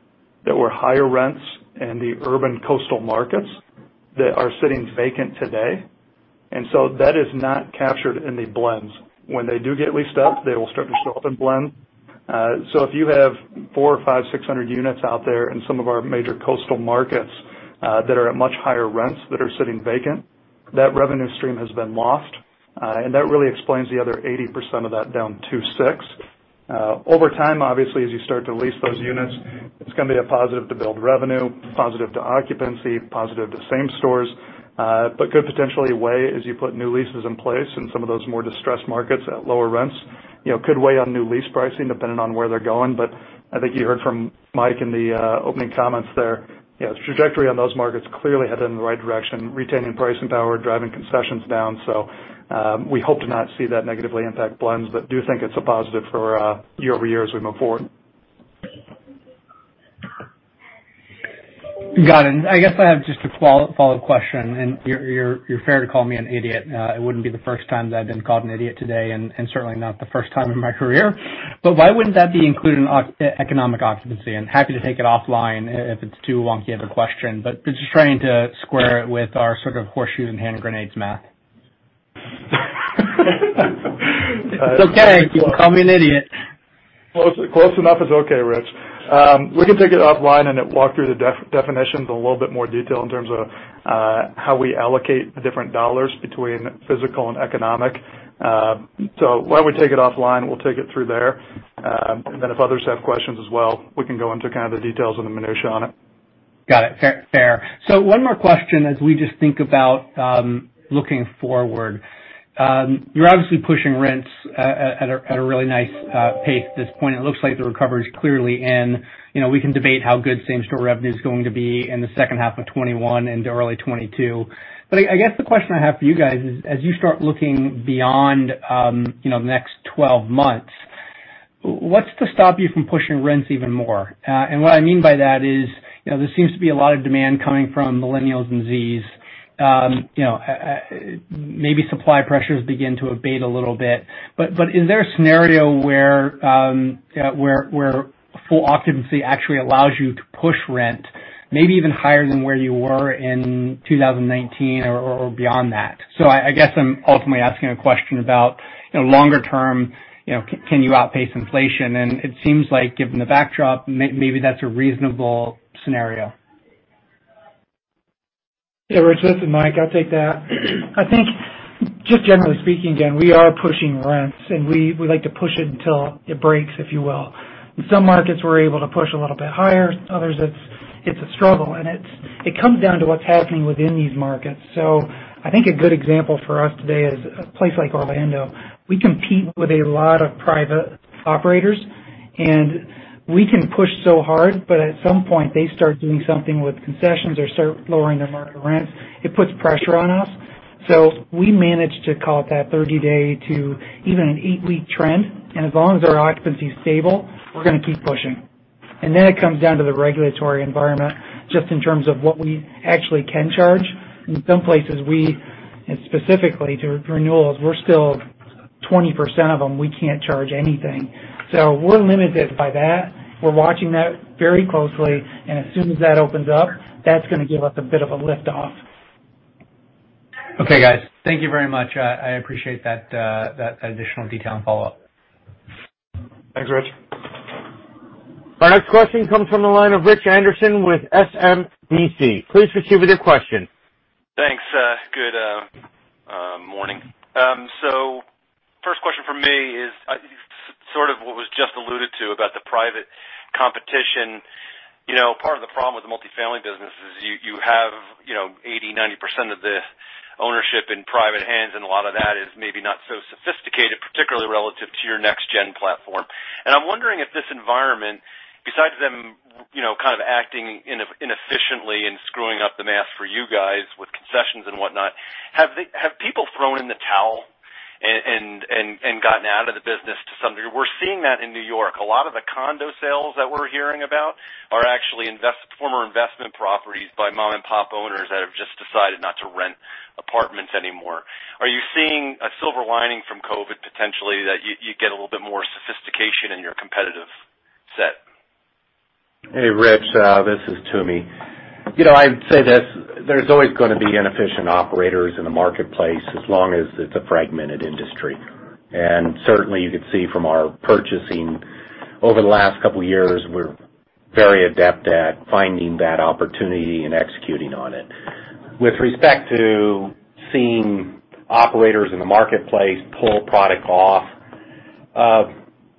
that were higher rents in the urban coastal markets that are sitting vacant today. That is not captured in the blends. When they do get leased up, they will start to show up in blends. If you have 400 or 500, 600 units out there in some of our major coastal markets that are at much higher rents that are sitting vacant, that revenue stream has been lost. That really explains the other 80% of that down 26. Over time, obviously, as you start to lease those units, it's going to be a positive to build revenue, positive to occupancy, positive to same stores, but could potentially weigh as you put new leases in place in some of those more distressed markets at lower rents. Could weigh on new lease pricing depending on where they're going. I think you heard from Mike in the opening comments there, the trajectory on those markets clearly headed in the right direction, retaining pricing power, driving concessions down. We hope to not see that negatively impact blends, but do think it's a positive for year-over-year as we move forward. Got it. I guess I have just a follow-up question. You're fair to call me an idiot. It wouldn't be the first time that I've been called an idiot today. Certainly not the first time in my career. Why wouldn't that be included in economic occupancy? Happy to take it offline if it's too wonky of a question, but just trying to square it with our sort of horseshoe and hand grenades math. It's okay, you can call me an idiot. Close enough is okay, Rich. We can take it offline and walk through the definitions in a little bit more detail in terms of how we allocate the different dollars between physical and economic. Why don't we take it offline? We'll take it through there. If others have questions as well, we can go into kind of the details and the minutia on it. Got it. Fair. One more question as we just think about looking forward. You're obviously pushing rents at a really nice pace at this point. It looks like the recovery is clearly in. We can debate how good same-store revenue is going to be in the second half of 2021 into early 2022. I guess the question I have for you guys is, as you start looking beyond the next 12 months, what's to stop you from pushing rents even more? What I mean by that is, there seems to be a lot of demand coming from millennials and Zs. Maybe supply pressures begin to abate a little bit. Is there a scenario where full occupancy actually allows you to push rent maybe even higher than where you were in 2019 or beyond that? I guess I'm ultimately asking a question about longer term, can you outpace inflation? It seems like given the backdrop, maybe that's a reasonable scenario. Yeah, Rich, this is Mike. I'll take that. I think just generally speaking, again, we are pushing rents, and we like to push it until it breaks, if you will. In some markets, we're able to push a little bit higher, others it's a struggle, and it comes down to what's happening within these markets. I think a good example for us today is a place like Orlando. We compete with a lot of private operators, and we can push so hard, but at some point, they start doing something with concessions or start lowering their market rents. It puts pressure on us. We manage to call it that 30-day to even an eight-week trend, and as long as our occupancy's stable, we're gonna keep pushing. Then it comes down to the regulatory environment, just in terms of what we actually can charge. In some places, we, and specifically to renewals, we're still 20% of them, we can't charge anything. We're limited by that. We're watching that very closely, and as soon as that opens up, that's gonna give us a bit of a lift off. Okay, guys. Thank you very much. I appreciate that additional detail and follow-up. Thanks, Rich. Our next question comes from the line of Rich Anderson with SMBC. Please proceed with your question. Thanks. Good morning. First question from me is sort of what was just alluded to about the private competition. Part of the problem with the multifamily business is you have 80%, 90% of the ownership in private hands, and a lot of that is maybe not so sophisticated, particularly relative to your next gen platform. I'm wondering if this environment, besides them kind of acting inefficiently and screwing up the math for you guys with concessions and whatnot, have people thrown in the towel and gotten out of the business to some degree? We're seeing that in New York. A lot of the condo sales that we're hearing about are actually former investment properties by mom and pop owners that have just decided not to rent apartments anymore. Are you seeing a silver lining from COVID, potentially, that you get a little bit more sophistication in your competitive set? Hey, Rich. This is Toomey. I'd say this, there's always gonna be inefficient operators in the marketplace as long as it's a fragmented industry. Certainly, you can see from our purchasing over the last couple of years, we're very adept at finding that opportunity and executing on it. With respect to seeing operators in the marketplace pull product off,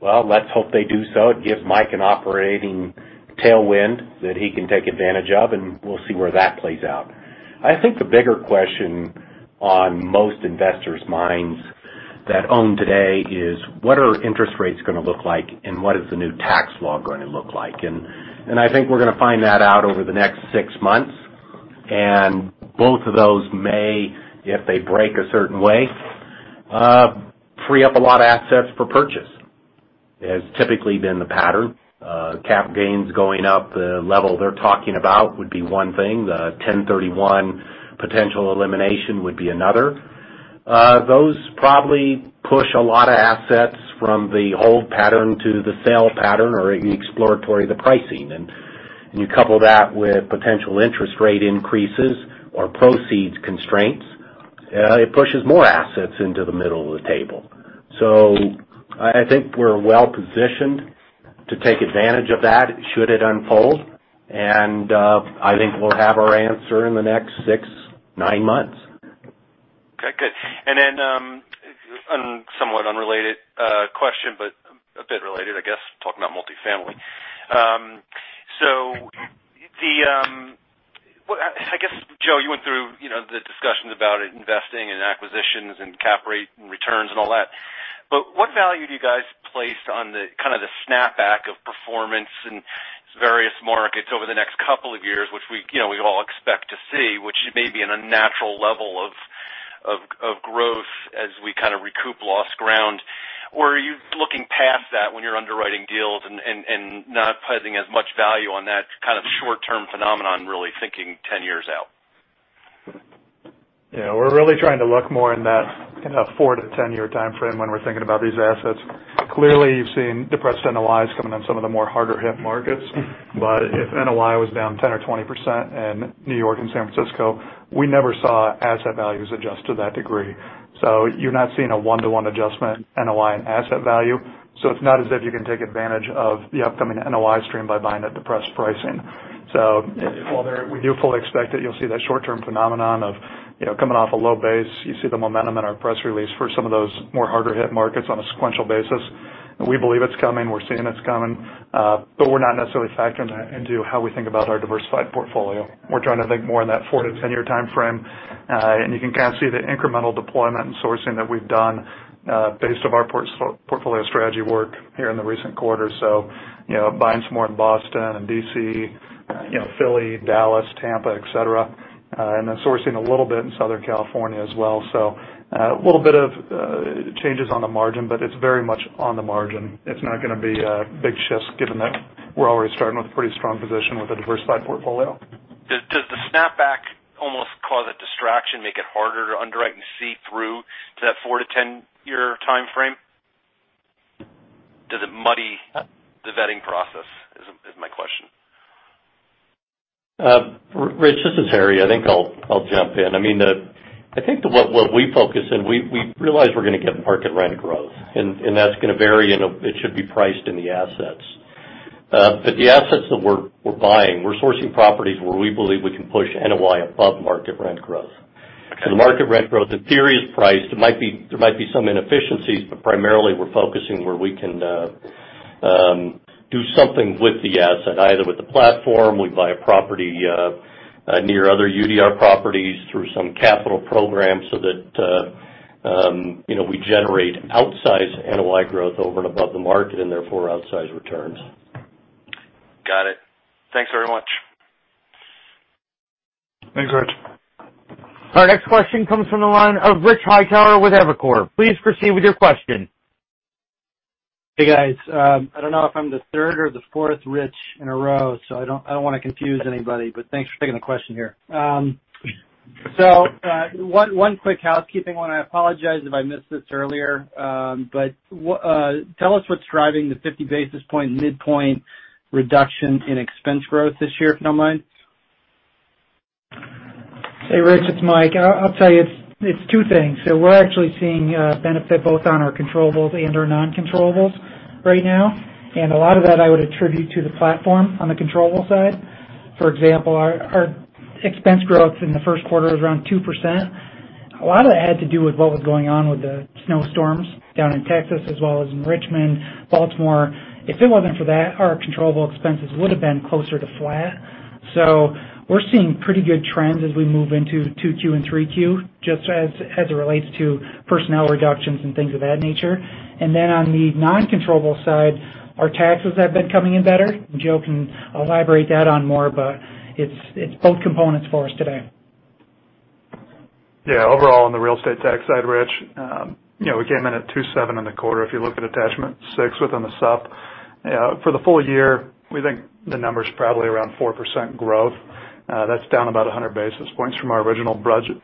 well, let's hope they do so. It gives Mike Lacy an operating tailwind that he can take advantage of. We'll see where that plays out. I think the bigger question on most investors' minds that own today is, what are interest rates gonna look like? What is the new tax law going to look like? I think we're gonna find that out over the next six months. Both of those may, if they break a certain way, free up a lot of assets for purchase. Has typically been the pattern. Cap gains going up, the level they're talking about would be one thing, the 1031 potential elimination would be another. Those probably push a lot of assets from the hold pattern to the sale pattern or exploratory the pricing. You couple that with potential interest rate increases or proceeds constraints, it pushes more assets into the middle of the table. I think we're well-positioned to take advantage of that should it unfold. I think we'll have our answer in the next six, nine months. Okay, good. Somewhat unrelated question, but a bit related, I guess, talking about multifamily. I guess, Joe, you went through the discussions about investing and acquisitions and cap rate and returns and all that, but what value do you guys place on the kind of the snapback of performance in various markets over the next couple of years, which we all expect to see, which may be an unnatural level of growth as we kind of recoup lost ground. Are you looking past that when you're underwriting deals and not putting as much value on that kind of short-term phenomenon, really thinking 10 years out? Yeah. We're really trying to look more in that 4-10 year timeframe when we're thinking about these assets. You've seen depressed NOIs coming in some of the more harder hit markets, but if NOI was down 10% or 20% in New York and San Francisco, we never saw asset values adjust to that degree. You're not seeing a one-to-one adjustment NOI in asset value. It's not as if you can take advantage of the upcoming NOI stream by buying at depressed pricing. While we do fully expect that you'll see that short-term phenomenon of coming off a low base, you see the momentum in our press release for some of those more harder hit markets on a sequential basis. We believe it's coming, we're seeing it's coming, we're not necessarily factoring that into how we think about our diversified portfolio. We're trying to think more in that four to 10-year timeframe. You can kind of see the incremental deployment and sourcing that we've done based off our Portfolio Strategy work here in the recent quarter. Buying some more in Boston and D.C., Philly, Dallas, Tampa, et cetera, and then sourcing a little bit in Southern California as well. A little bit of changes on the margin, but it's very much on the margin. It's not going to be a big shift given that we're already starting with a pretty strong position with a diversified portfolio. Does the snapback almost cause a distraction, make it harder to underwrite and see through to that four to 10-year timeframe? Does it muddy the vetting process, is my question. Rich, this is Harry. I think I'll jump in. I think what we focus in, we realize we're going to get market rent growth, and that's going to vary, and it should be priced in the assets. The assets that we're buying, we're sourcing properties where we believe we can push NOI above market rent growth. Market rent growth, in theory, is priced. There might be some inefficiencies, but primarily we're focusing where we can do something with the asset, either with the platform, we buy a property near other UDR properties through some capital program so that we generate outsized NOI growth over and above the market, and therefore outsized returns. Got it. Thanks very much. Thanks, Rich. Our next question comes from the line of Rich Hightower with Evercore. Please proceed with your question. Hey, guys. I don't know if I'm the third or the fourth Rich in a row, so I don't want to confuse anybody, but thanks for taking the question here. One quick housekeeping one. I apologize if I missed this earlier, but tell us what's driving the 50 basis point midpoint reduction in expense growth this year, if you don't mind. Hey, Rich, it's Mike. I'll tell you, it's two things. We're actually seeing a benefit both on our controllables and our non-controllables right now, and a lot of that I would attribute to the platform on the controllable side. For example, our expense growth in the first quarter was around 2%. A lot of that had to do with what was going on with the snowstorms down in Texas as well as in Richmond, Baltimore. If it wasn't for that, our controllable expenses would've been closer to flat. We're seeing pretty good trends as we move into 2Q and 3Q, just as it relates to personnel reductions and things of that nature. Then on the non-controllable side, our taxes have been coming in better. Joe can elaborate that on more, but it's both components for us today. Overall, on the real estate tax side, Rich, we came in at 2.7 in the quarter, if you look at attachment six within the sup. For the full year, we think the number's probably around 4% growth. That's down about 100 basis points from our original budget.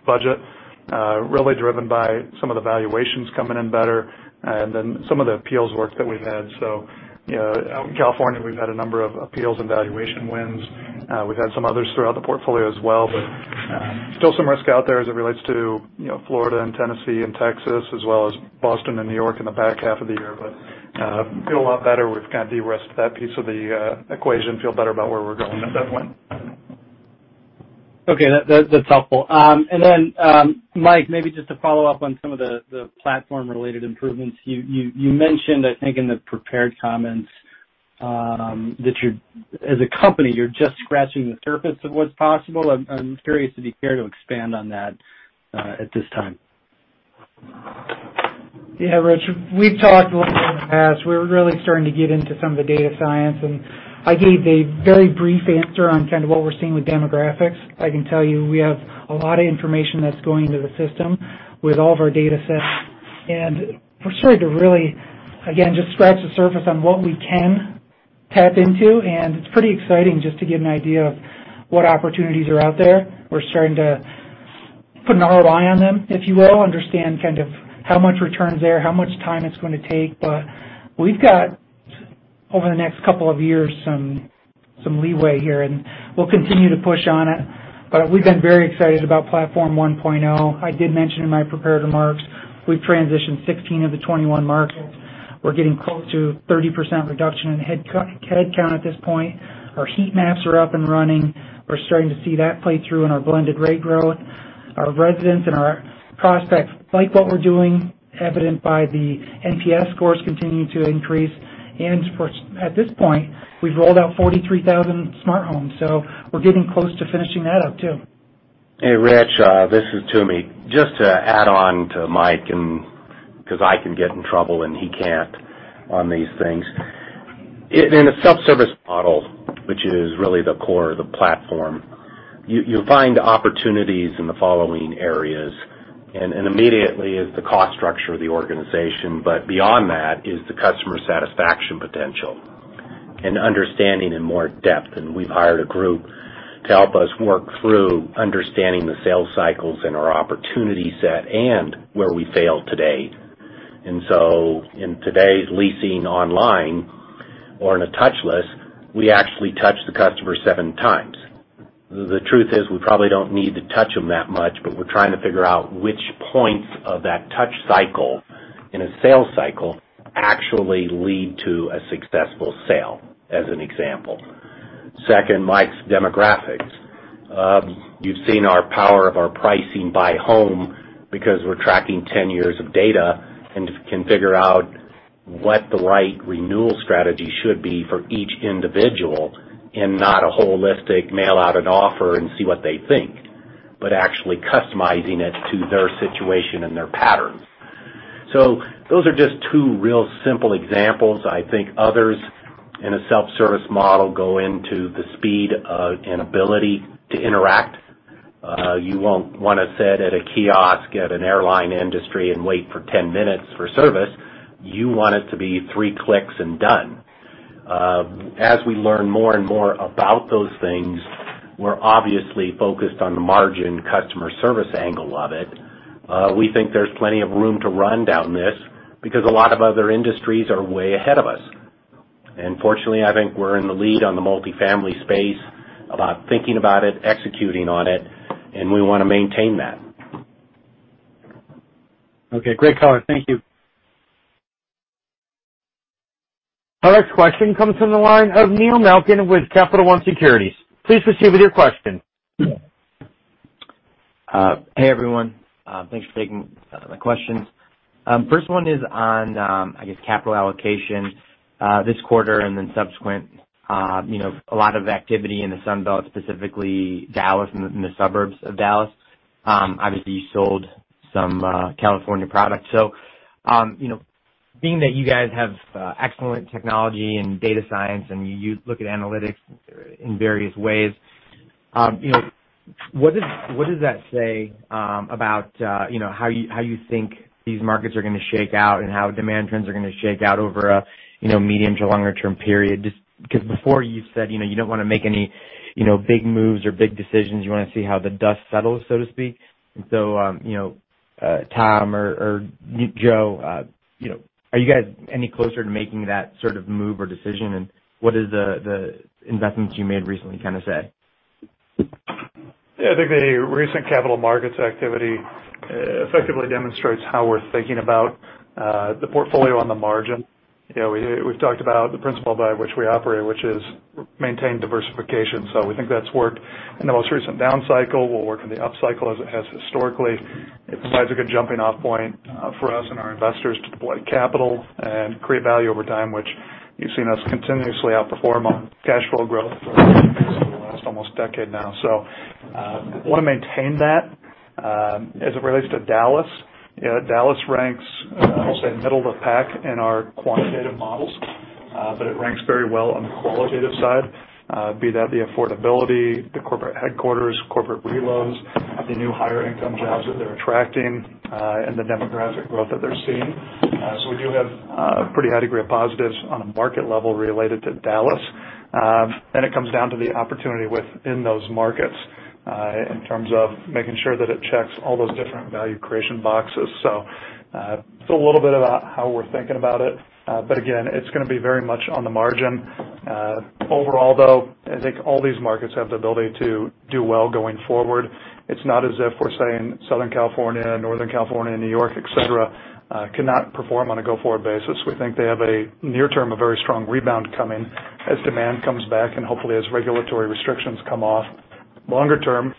Driven by some of the valuations coming in better and then some of the appeals work that we've had. Out in California, we've had a number of appeals and valuation wins. We've had some others throughout the portfolio as well, but still some risk out there as it relates to Florida and Tennessee and Texas, as well as Boston and New York in the back half of the year. Feel a lot better. We've kind of de-risked that piece of the equation. Feel better about where we're going at that point. Okay. That's helpful. Mike, maybe just to follow up on some of the platform-related improvements. You mentioned, I think in the prepared comments, that as a company, you're just scratching the surface of what's possible. I'm curious if you care to expand on that at this time? Rich. We've talked a little bit in the past. We're really starting to get into some of the data science, and I gave a very brief answer on kind of what we're seeing with demographics. I can tell you we have a lot of information that's going into the system with all of our data sets, and we're starting to really, again, just scratch the surface on what we can tap into, and it's pretty exciting just to get an idea of what opportunities are out there. We're starting to put an ROI on them, if you will, understand kind of how much return is there, how much time it's going to take, we've got over the next couple of years some leeway here, and we'll continue to push on it. We've been very excited about Platform 1.0. I did mention in my prepared remarks, we've transitioned 16 of the 21 markets. We're getting close to 30% reduction in headcount at this point. Our heat maps are up and running. We're starting to see that play through in our blended rate growth. Our residents and our prospects like what we're doing, evident by the NPS scores continuing to increase. At this point, we've rolled out 43,000 smart homes, so we're getting close to finishing that up, too. Hey, Rich, this is Toomey. Just to add on to Mike because I can get in trouble and he can't on these things. In a self-service model, which is really the core of the platform, you find opportunities in the following areas, immediately is the cost structure of the organization, beyond that is the customer satisfaction potential and understanding in more depth. We've hired a group to help us work through understanding the sales cycles and our opportunity set and where we fail today. In today's leasing online or in a touchless, we actually touch the customer seven times. The truth is, we probably don't need to touch them that much, but we're trying to figure out which points of that touch cycle in a sales cycle actually lead to a successful sale, as an example. Second, Mike's demographics. You've seen our power of our pricing by home because we're tracking 10 years of data and can figure out what the right renewal strategy should be for each individual and not a holistic mail out an offer and see what they think, but actually customizing it to their situation and their patterns. Those are just two real simple examples. I think others in a self-service model go into the speed and ability to interact. You won't want to sit at a kiosk at an airline industry and wait for 10 minutes for service. You want it to be three clicks and done. As we learn more and more about those things, we're obviously focused on the margin customer service angle of it. We think there's plenty of room to run down this because a lot of other industries are way ahead of us. Fortunately, I think we're in the lead on the multifamily space about thinking about it, executing on it, and we want to maintain that. Okay, great color. Thank you. Our next question comes from the line of Neil Malkin with Capital One Securities. Please proceed with your question. Hey, everyone. Thanks for taking my questions. First one is on, I guess, capital allocation. This quarter and then subsequent, a lot of activity in the Sun Belt, specifically Dallas and the suburbs of Dallas. Obviously, you sold some California products. Being that you guys have excellent technology and data science and you look at analytics in various ways, what does that say about how you think these markets are gonna shake out and how demand trends are gonna shake out over a medium to longer term period? Just because before you said you don't want to make any big moves or big decisions, you want to see how the dust settles, so to speak. Tom or Joe, are you guys any closer to making that sort of move or decision? What does the investments you made recently kind of say? Yeah, I think the recent capital markets activity effectively demonstrates how we're thinking about the portfolio on the margin. We've talked about the principle by which we operate, which is maintain diversification. We think that's worked in the most recent down cycle, will work in the up cycle as it has historically. It provides a good jumping off point for us and our investors to deploy capital and create value over time, which you've seen us continuously outperform on cash flow growth for the last almost decade now. Want to maintain that. As it relates to Dallas ranks, I'll say middle of the pack in our quantitative models, but it ranks very well on the qualitative side, be that the affordability, the corporate headquarters, corporate reloads, the new higher income jobs that they're attracting, and the demographic growth that they're seeing. We do have a pretty high degree of positives on a market level related to Dallas. It comes down to the opportunity within those markets in terms of making sure that it checks all those different value creation boxes. It's a little bit about how we're thinking about it. Again, it's going to be very much on the margin. Overall, though, I think all these markets have the ability to do well going forward. It's not as if we're saying Southern California, Northern California, New York, et cetera, cannot perform on a go-forward basis. We think they have a near term, a very strong rebound coming as demand comes back and hopefully as regulatory restrictions come off. Longer term,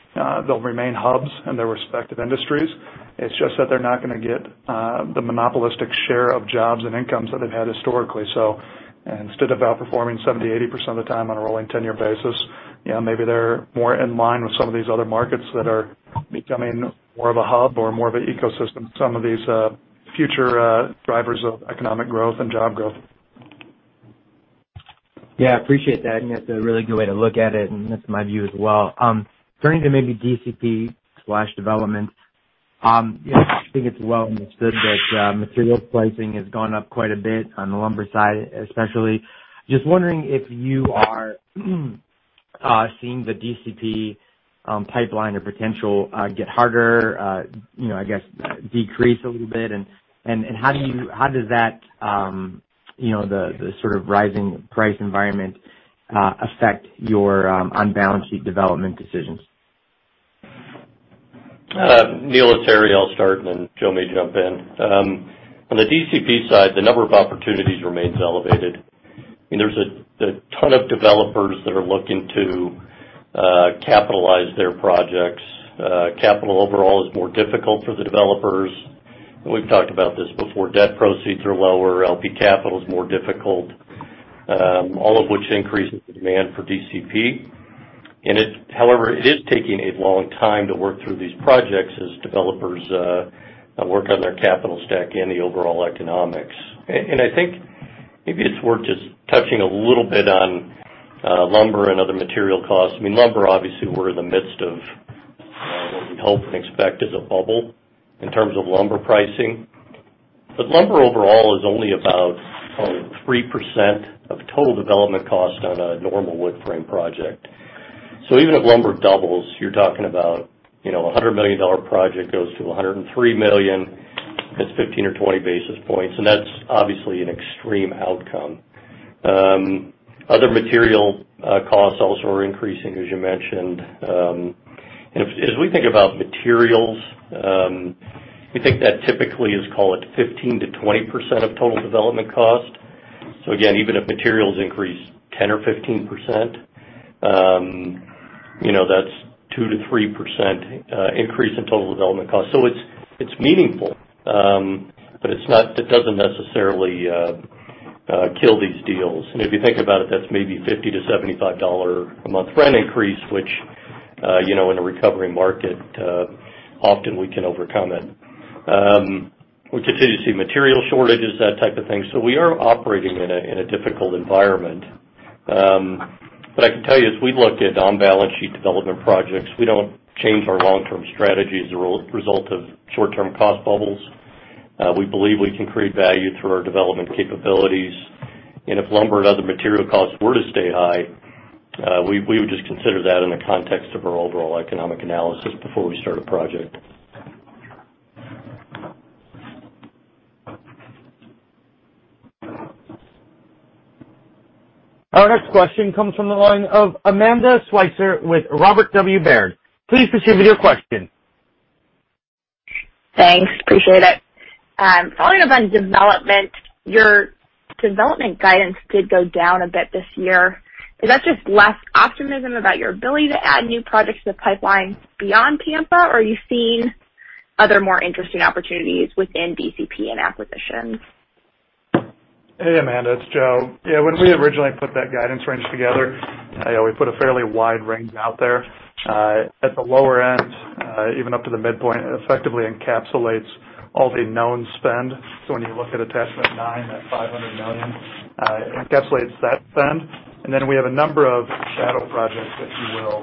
they'll remain hubs in their respective industries. It's just that they're not gonna get the monopolistic share of jobs and incomes that they've had historically. Instead of outperforming 70%-80% of the time on a rolling 10-year basis, maybe they're more in line with some of these other markets that are becoming more of a hub or more of an ecosystem, some of these future drivers of economic growth and job growth. Yeah, I appreciate that, and that's a really good way to look at it, and that's my view as well. Turning to maybe DCP/development. I think it's well understood that materials pricing has gone up quite a bit on the lumber side, especially. Just wondering if you are seeing the DCP pipeline or potential get harder, I guess, decrease a little bit. How does that, the sort of rising price environment, affect your on-balance sheet development decisions? Neil, it's Harry, I'll start. Then Joe may jump in. On the DCP side, the number of opportunities remains elevated. There's a ton of developers that are looking to capitalize their projects. Capital overall is more difficult for the developers. We've talked about this before. Debt proceeds are lower. LP capital is more difficult. All of which increases the demand for DCP. However, it is taking a long time to work through these projects as developers work on their capital stack and the overall economics. I think maybe it's worth just touching a little bit on lumber and other material costs. Lumber, obviously, we're in the midst of what we hope and expect is a bubble in terms of lumber pricing. Lumber overall is only about 3% of total development cost on a normal wood frame project. Even if lumber doubles, you're talking about a $100 million project goes to $103 million. That's 15 or 20 basis points, and that's obviously an extreme outcome. Other material costs also are increasing, as you mentioned. As we think about materials, we think that typically is, call it, 15%-20% of total development cost. Again, even if materials increase 10% or 15%, that's a 2%-3% increase in total development cost. It's meaningful, but it doesn't necessarily kill these deals. If you think about it, that's maybe a $50-$75 a month rent increase, which in a recovery market, often we can overcome it. We continue to see material shortages, that type of thing. We are operating in a difficult environment. I can tell you, as we've looked at on-balance sheet development projects, we don't change our long-term strategy as a result of short-term cost bubbles. We believe we can create value through our development capabilities. If lumber and other material costs were to stay high, we would just consider that in the context of our overall economic analysis before we start a project. Our next question comes from the line of Amanda Sweitzer with Robert W. Baird. Please proceed with your question. Thanks. Appreciate it. Following up on development, your development guidance did go down a bit this year. Is that just less optimism about your ability to add new projects to the pipeline beyond Tampa, or are you seeing other more interesting opportunities within DCP and acquisitions? Hey, Amanda, it's Joe. Yeah, when we originally put that guidance range together, we put a fairly wide range out there. At the lower end, even up to the midpoint, it effectively encapsulates all the known spend. When you look at attachment 9, that $500 million encapsulates that spend. Then we have a number of shadow projects, if you will,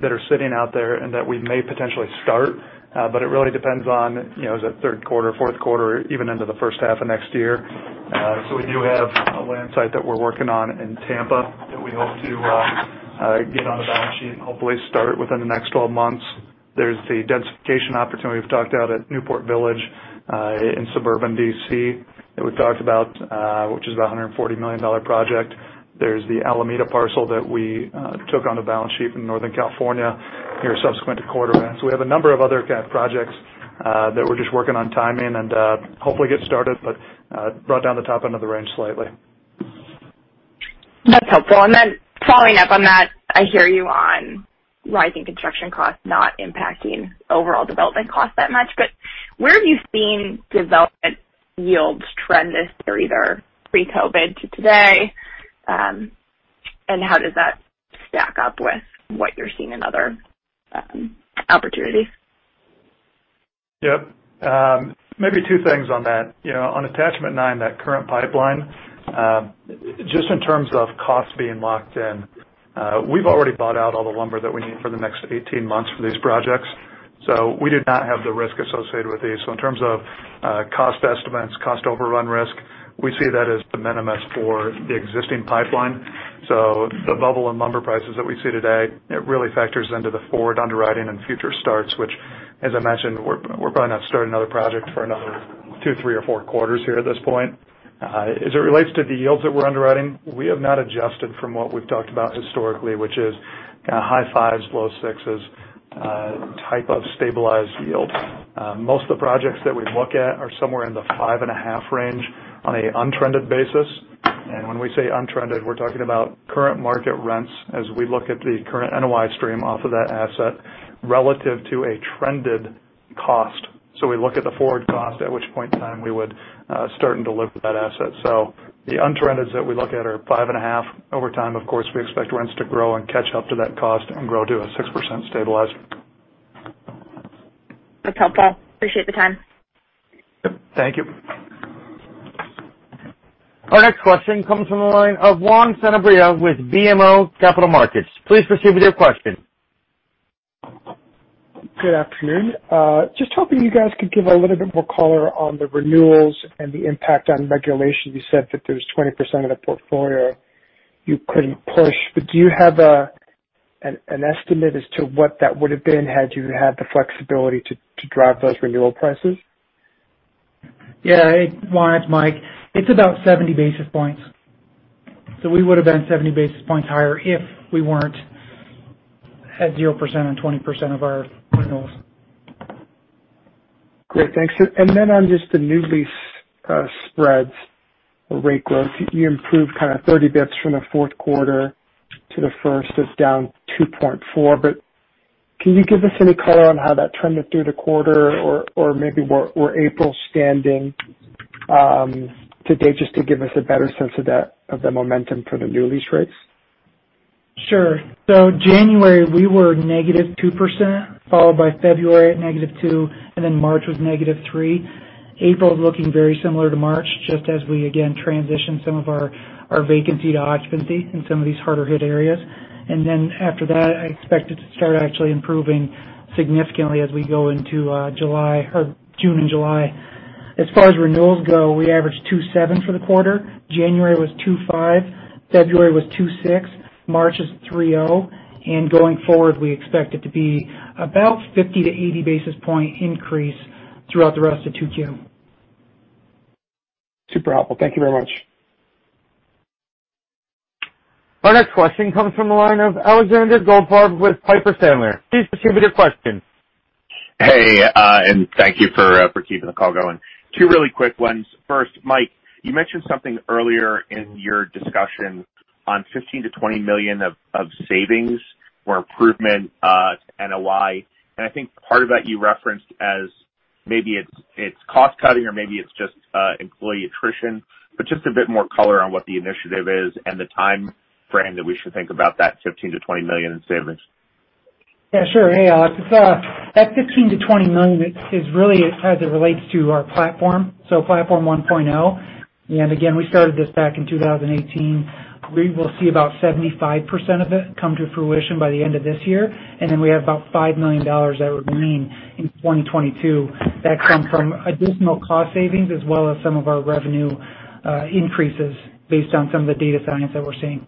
that are sitting out there and that we may potentially start. It really depends on, is it third quarter, fourth quarter, even into the first half of next year. We do have a land site that we're working on in Tampa that we hope to get on the balance sheet and hopefully start within the next 12 months. There's the densification opportunity we've talked about at Newport Village in suburban D.C. that we talked about, which is about a $140 million project. There's the Alameda parcel that we took on the balance sheet in Northern California here subsequent to quarter end. We have a number of other projects that we're just working on timing and hopefully get started, but brought down the top end of the range slightly. That's helpful. Following up on that, I hear you on rising construction costs not impacting overall development cost that much. Where have you seen development yields trend this year, either pre-COVID to today? How does that stack up with what you're seeing in other opportunities? Yep. Maybe two things on that. On attachment nine, that current pipeline, just in terms of costs being locked in, we've already bought out all the lumber that we need for the next 18 months for these projects. We do not have the risk associated with these. In terms of cost estimates, cost overrun risk, we see that as de minimis for the existing pipeline. The bubble in lumber prices that we see today, it really factors into the forward underwriting and future starts, which as I mentioned, we're probably not starting another project for another 2, 3, or 4 quarters here at this point. It relates to the yields that we're underwriting, we have not adjusted from what we've talked about historically, which is kind of high 5s, low 6s type of stabilized yield. Most of the projects that we look at are somewhere in the five and a half range on an untrended basis. When we say untrended, we're talking about current market rents as we look at the current NOI stream off of that asset relative to a trended cost. We look at the forward cost, at which point in time we would start and deliver that asset. The untrendeds that we look at are five and a half. Over time, of course, we expect rents to grow and catch up to that cost and grow to a 6% stabilized. That's helpful. Appreciate the time. Yep. Thank you. Our next question comes from the line of Juan Sanabria with BMO Capital Markets. Please proceed with your question. Hoping you guys could give a little bit more color on the renewals and the impact on regulation. You said that there's 20% of the portfolio you couldn't push, do you have an estimate as to what that would've been had you had the flexibility to drive those renewal prices? Yeah. Hey, Juan, it's Mike. It's about 70 basis points. We would've been 70 basis points higher if we weren't at 0% on 20% of our renewals. Great. Thanks. On just the new lease spreads or rate growth, you improved kind of 30 basis points from the fourth quarter to the first. It's down 2.4%. Can you give us any color on how that trended through the quarter or maybe where April's standing today, just to give us a better sense of the momentum for the new lease rates? Sure. January we were -2%, followed by February at -2, March was -3. April is looking very similar to March, just as we, again, transition some of our vacancy to occupancy in some of these harder hit areas. After that, I expect it to start actually improving significantly as we go into June and July. As far as renewals go, we averaged two seven for the quarter. January was two five, February was two six, March is three zero, going forward we expect it to be about 50-80 basis point increase throughout the rest of 2Q. Super helpful. Thank you very much. Our next question comes from the line of Alexander Goldfarb with Piper Sandler. Please proceed with your question. Hey, thank you for keeping the call going. two really quick ones. Mike, you mentioned something earlier in your discussion on $15 million-$20 million of savings or improvement to NOI, and I think part of that you referenced as maybe it's cost-cutting or maybe it's just employee attrition, but just a bit more color on what the initiative is and the timeframe that we should think about that $15 million-$20 million in savings. Yeah, sure. Hey, Alex. That $15 million-$20 million is really as it relates to our platform, so Platform 1.0. Again, we started this back in 2018. We will see about 75% of it come to fruition by the end of this year. Then we have about $5 million that would remain in 2022. That comes from additional cost savings as well as some of our revenue increases based on some of the data science that we're seeing.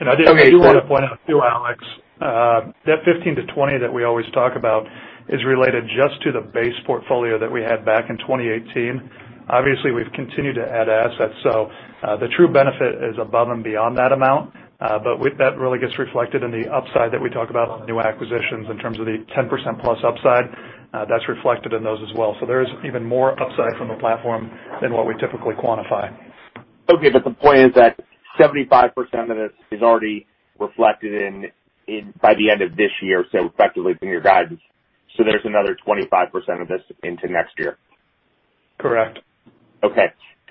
Okay. I did want to point out too, Alex, that 15%-20% that we always talk about is related just to the base portfolio that we had back in 2018. Obviously, we've continued to add assets. The true benefit is above and beyond that amount. That really gets reflected in the upside that we talk about on the new acquisitions in terms of the 10%+ upside, that's reflected in those as well. There's even more upside from the platform than what we typically quantify. Okay, the point is that 75% of this is already reflected by the end of this year, effectively in your guidance. There's another 25% of this into next year. Correct.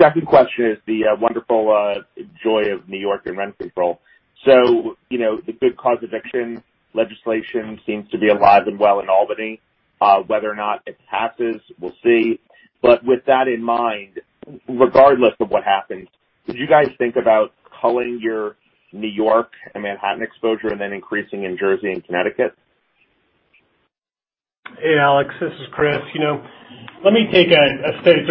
Second question is the wonderful joy of New York and rent control. The good cause eviction legislation seems to be alive and well in Albany. Whether or not it passes, we'll see. With that in mind, regardless of what happens, did you guys think about culling your New York and Manhattan exposure and then increasing in Jersey and Connecticut? Hey, Alex, this is Chris. It's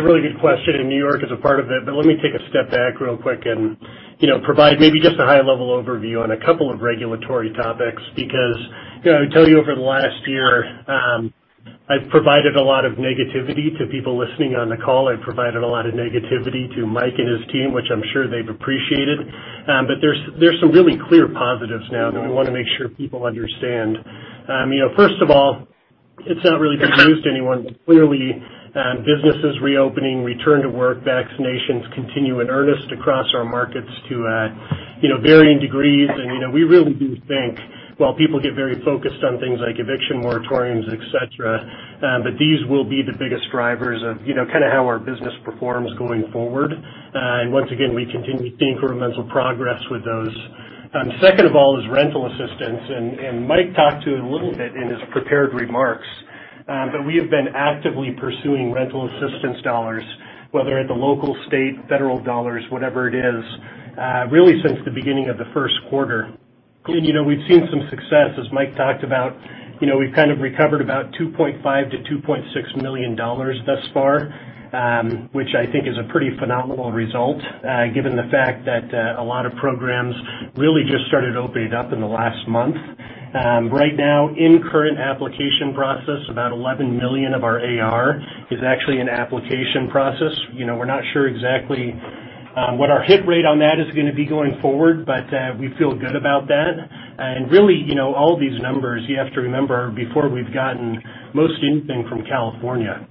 a really good question, and New York is a part of it, but let me take a step back real quick and provide maybe just a high-level overview on a couple of regulatory topics. I would tell you over the last year, I've provided a lot of negativity to people listening on the call. I've provided a lot of negativity to Mike and his team, which I'm sure they've appreciated. There's some really clear positives now that we want to make sure people understand. First of all, it's not really good news to anyone, but clearly businesses reopening, return to work, vaccinations continue in earnest across our markets to varying degrees, and we really do think while people get very focused on things like eviction moratoriums, et cetera, but these will be the biggest drivers of kind of how our business performs going forward. Once again, we continue to see incremental progress with those. Second of all is rental assistance, and Mike talked to it a little bit in his prepared remarks, but we have been actively pursuing rental assistance dollars, whether at the local, state, federal dollars, whatever it is, really since the beginning of the first quarter. We've seen some success, as Mike talked about. We've kind of recovered about $2.5 million-$2.6 million thus far, which I think is a pretty phenomenal result given the fact that a lot of programs really just started opening up in the last month. Right now in current application process, about $11 million of our AR is actually in application process. We're not sure exactly what our hit rate on that is going to be going forward. We feel good about that. Really all these numbers you have to remember before we've gotten most anything from California.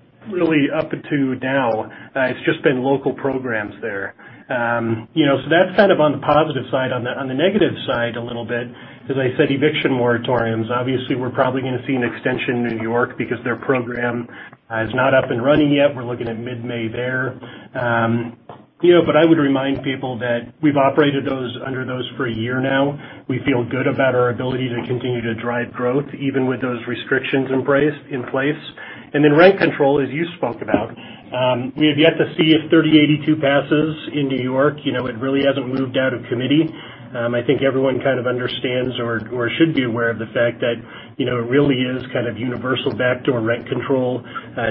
Up unto now, it's just been local programs there. That's kind of on the positive side. On the negative side a little bit, as I said, eviction moratoriums. Obviously, we're probably going to see an extension in New York because their program is not up and running yet. We're looking at mid-May there. I would remind people that we've operated under those for a year now. We feel good about our ability to continue to drive growth even with those restrictions in place. Rent control, as you spoke about. We have yet to see if S3082 passes in New York. It really hasn't moved out of committee. I think everyone kind of understands or should be aware of the fact that it really is kind of universal backdoor rent control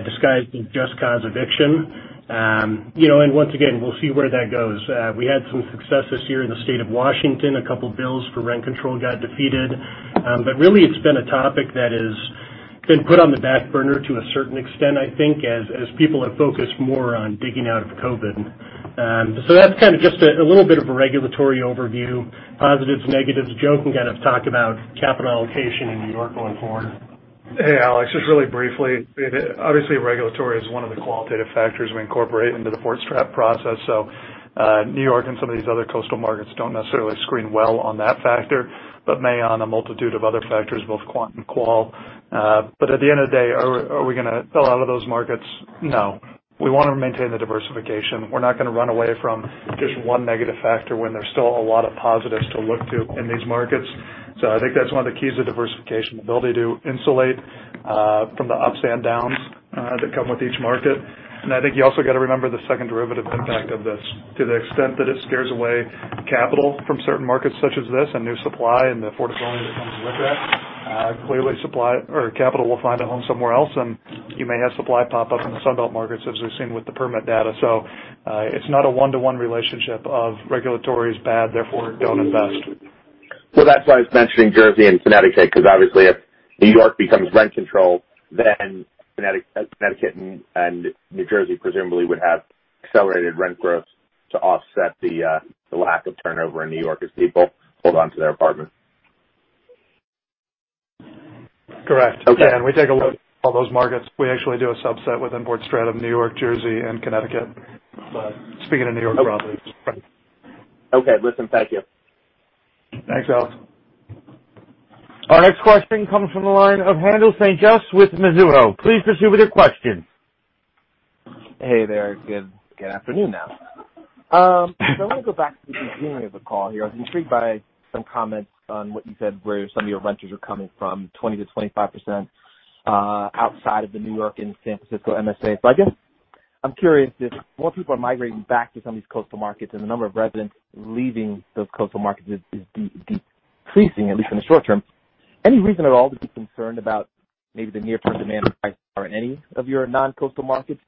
disguised as just cause eviction. Once again, we'll see where that goes. We had some success this year in the state of Washington. A couple bills for rent control got defeated. Really, it's been a topic that has been put on the back burner to a certain extent, I think, as people have focused more on digging out of COVID. That's kind of just a little bit of a regulatory overview, positives, negatives. Joe can kind of talk about capital allocation in New York going forward. Hey, Alex, just really briefly, obviously regulatory is one of the qualitative factors we incorporate into the Port Strat process. New York and some of these other coastal markets don't necessarily screen well on that factor, but may on a multitude of other factors, both quant and qual. At the end of the day, are we going to sell out of those markets? No. We want to maintain the diversification. We're not going to run away from just one negative factor when there's still a lot of positives to look to in these markets. I think that's one of the keys to diversification, the ability to insulate from the ups and downs that come with each market. I think you also got to remember the second derivative impact of this. To the extent that it scares away capital from certain markets such as this, and new supply and the affordable housing that comes with that, clearly supply or capital will find a home somewhere else, and you may have supply pop up in the Sun Belt markets, as we've seen with the permit data. It's not a one-to-one relationship of regulatory is bad, therefore don't invest. That's why I was mentioning Jersey and Connecticut, because obviously if New York becomes rent control, then Connecticut and New Jersey presumably would have accelerated rent growth to offset the lack of turnover in New York as people hold on to their apartments. Correct. Okay. We take a look at all those markets. We actually do a subset within Port Strat of New York, Jersey, and Connecticut. Speaking of New York broadly. Okay. Listen, thank you. Thanks, Alex. Our next question comes from the line of Haendel St. Juste with Mizuho. Please proceed with your question. Hey there. Good afternoon now. I want to go back to the beginning of the call here. I was intrigued by some comments on what you said, where some of your renters are coming from 20%-25%, outside of the New York and San Francisco MSA. I guess I'm curious if more people are migrating back to some of these coastal markets and the number of residents leaving those coastal markets is decreasing, at least in the short term. Any reason at all to be concerned about maybe the near-term demand prices are in any of your non-coastal markets?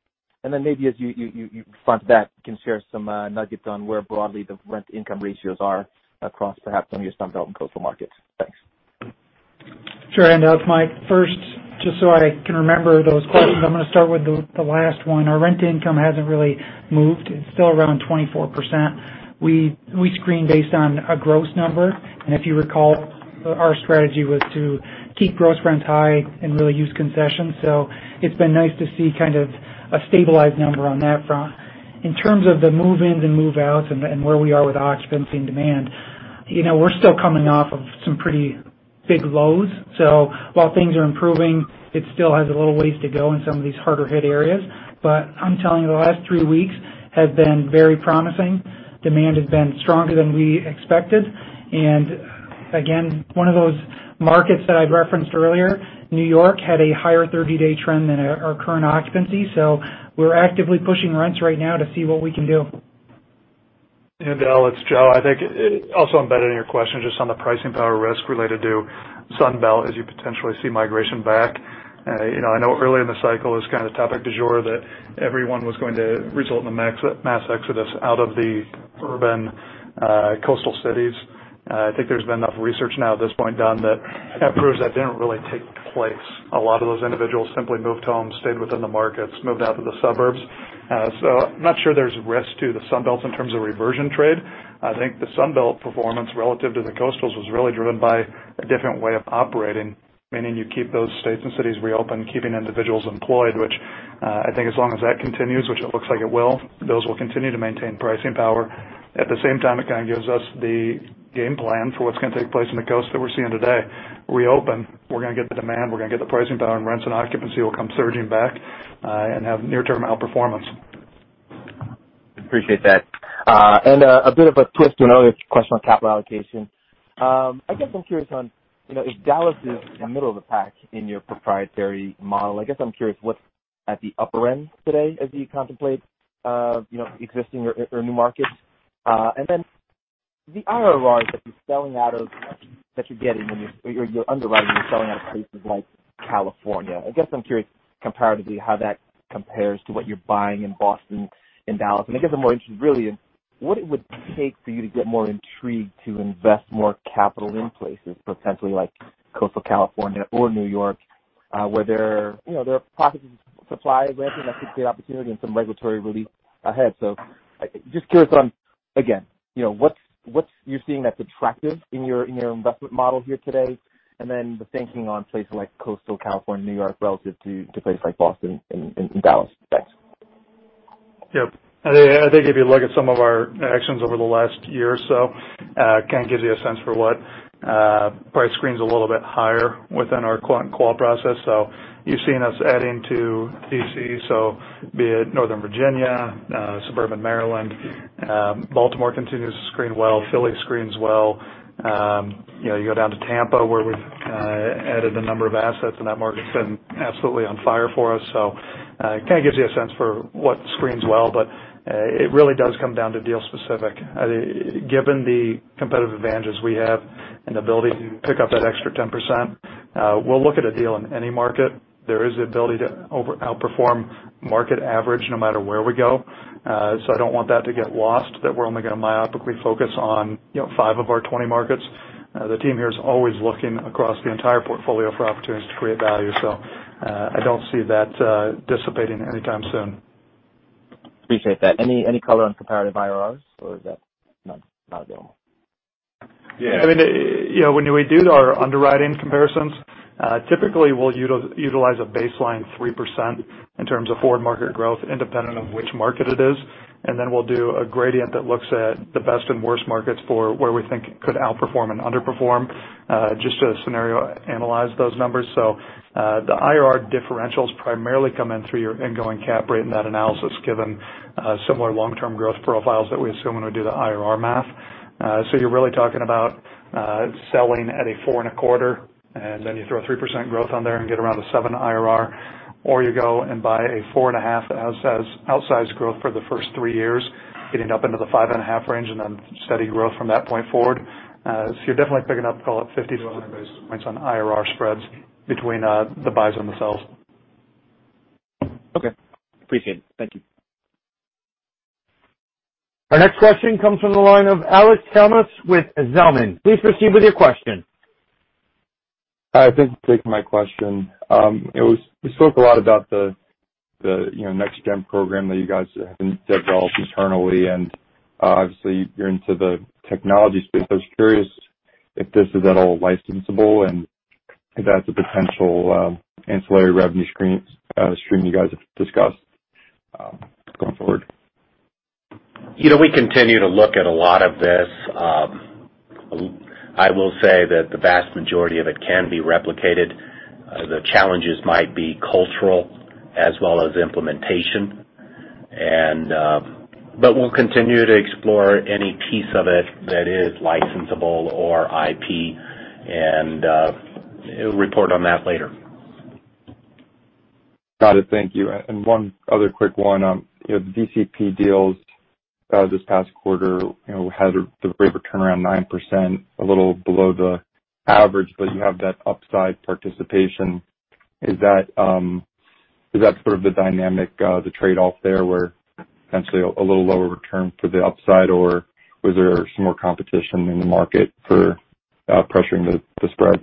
Maybe as you front that, you can share some nuggets on where broadly the rent income ratios are across perhaps some of your Sun Belt and coastal markets. Thanks. Sure, Haendel. Mike Lacy first, just so I can remember those questions, I'm going to start with the last one. Our rent income hasn't really moved. It's still around 24%. We screen based on a gross number. If you recall, our strategy was to keep gross rents high and really use concessions. It's been nice to see kind of a stabilized number on that front. In terms of the move-ins and move-outs and where we are with occupancy and demand, we're still coming off of some pretty big lows. While things are improving, it still has a little ways to go in some of these harder hit areas. I'm telling you, the last three weeks have been very promising. Demand has been stronger than we expected. Again, one of those markets that I referenced earlier, New York, had a higher 30-day trend than our current occupancy. We're actively pushing rents right now to see what we can do. Al, it's Joe. I think also embedded in your question just on the pricing power risk related to Sun Belt as you potentially see migration back. I know early in the cycle is kind of topic du jour that everyone was going to result in a mass exodus out of the urban coastal cities. I think there's been enough research now at this point done that proves that didn't really take place. A lot of those individuals simply moved home, stayed within the markets, moved out to the suburbs. I'm not sure there's risk to the Sun Belts in terms of reversion trade. I think the Sun Belt performance relative to the coastals was really driven by a different way of operating, meaning you keep those states and cities reopened, keeping individuals employed, which I think as long as that continues, which it looks like it will, those will continue to maintain pricing power. At the same time, it kind of gives us the game plan for what's going to take place in the coast that we're seeing today. Reopen, we're going to get the demand, we're going to get the pricing power, and rents and occupancy will come surging back, and have near-term outperformance. Appreciate that. A bit of a twist to another question on capital allocation. I guess I'm curious on if Dallas is middle of the pack in your proprietary model, I guess I'm curious what's at the upper end today as you contemplate existing or new markets. Then the IRRs that you're selling out of, that you're getting when you're underwriting and selling out of places like California. I guess I'm curious comparatively how that compares to what you're buying in Boston and Dallas. I guess I'm more interested really in what it would take for you to get more intrigued to invest more capital in places potentially like coastal California or New York, where there are pockets of supply granting that could create opportunity and some regulatory relief ahead. Just curious on, again, what you're seeing that's attractive in your investment model here today, and then the thinking on places like coastal California, New York, relative to places like Boston and Dallas. Thanks. Yep. I think if you look at some of our actions over the last year or so, kind of gives you a sense for what probably screens a little bit higher within our quant and qual process. You've seen us adding to D.C., so be it Northern Virginia, Suburban Maryland. Baltimore continues to screen well. Philly screens well. You go down to Tampa, where we've added a number of assets, and that market's been absolutely on fire for us. It kind of gives you a sense for what screens well, but it really does come down to deal-specific. Given the competitive advantages we have and the ability to pick up that extra 10%, we'll look at a deal in any market. There is the ability to outperform market average no matter where we go. I don't want that to get lost, that we're only going to myopically focus on five of our 20 markets. The team here is always looking across the entire portfolio for opportunities to create value. I don't see that dissipating anytime soon. Appreciate that. Any color on comparative IRRs, or is that not available? When we do our underwriting comparisons, typically we'll utilize a baseline 3% in terms of forward market growth, independent of which market it is, and then we'll do a gradient that looks at the best and worst markets for where we think it could outperform and underperform, just to scenario analyze those numbers. The IRR differentials primarily come in through your ongoing cap rate in that analysis, given similar long-term growth profiles that we assume when we do the IRR math. You're really talking about selling at a four and a quarter, and then you throw a 3% growth on there and get around a seven IRR. You go and buy a four and a half that has outsized growth for the first three years, getting up into the five and a half range, and then steady growth from that point forward. You're definitely picking up call it 50 to 100 basis points on IRR spreads between the buys and the sells. Okay. Appreciate it. Thank you. Our next question comes from the line of Alex Kalmus with Zelman. Please proceed with your question. Thanks for taking my question. You spoke a lot about the next-gen program that you guys have developed internally, and obviously you're into the technology space. I was curious if this is at all licensable and if that's a potential ancillary revenue stream you guys have discussed going forward. We continue to look at a lot of this. I will say that the vast majority of it can be replicated. The challenges might be cultural as well as implementation. We'll continue to explore any piece of it that is licensable or IP and report on that later. Got it. Thank you. One other quick one. DCP deals this past quarter had the rate of turnaround 9%, a little below the average, but you have that upside participation. Is that sort of the dynamic, the trade-off there, where potentially a little lower return for the upside, or was there some more competition in the market for pressuring the spreads?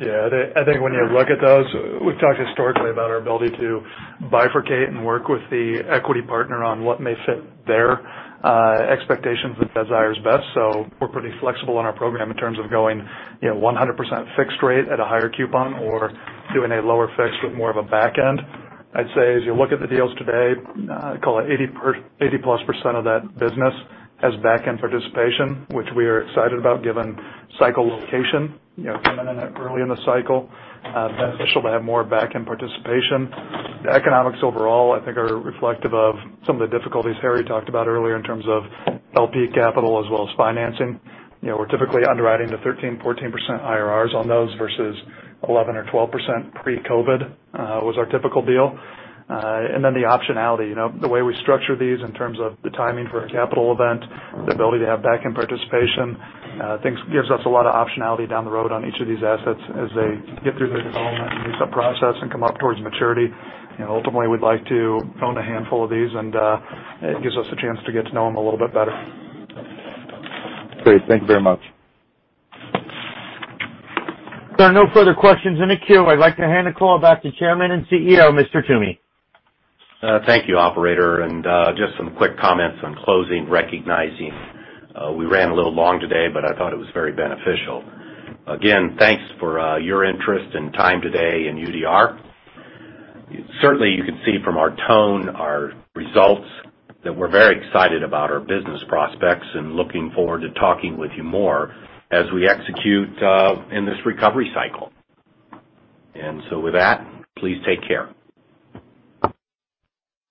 Yeah. I think when you look at those, we've talked historically about our ability to bifurcate and work with the equity partner on what may fit their expectations and desires best. We're pretty flexible on our program in terms of going 100% fixed rate at a higher coupon or doing a lower fixed with more of a back end. I'd say as you look at the deals today, call it 80+% of that business has backend participation, which we are excited about given cycle location. Coming in early in the cycle, beneficial to have more backend participation. The economics overall, I think are reflective of some of the difficulties Harry talked about earlier in terms of LP capital as well as financing. We're typically underwriting to 13%, 14% IRRs on those versus 11% or 12% pre-COVID, was our typical deal. The optionality. The way we structure these in terms of the timing for a capital event, the ability to have backend participation gives us a lot of optionality down the road on each of these assets as they get through the development and lease-up process and come up towards maturity. Ultimately, we'd like to own a handful of these, and it gives us a chance to get to know them a little bit better. Great. Thank you very much. If there are no further questions in the queue, I'd like to hand the call back to Chairman and CEO, Tom Toomey. Thank you, operator. Just some quick comments on closing, recognizing we ran a little long today, but I thought it was very beneficial. Again, thanks for your interest and time today in UDR. Certainly, you can see from our tone, our results, that we're very excited about our business prospects and looking forward to talking with you more as we execute in this recovery cycle. With that, please take care.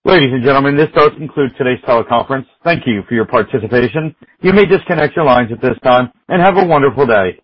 Ladies and gentlemen, this does conclude today's teleconference. Thank you for your participation. You may disconnect your lines at this time, and have a wonderful day.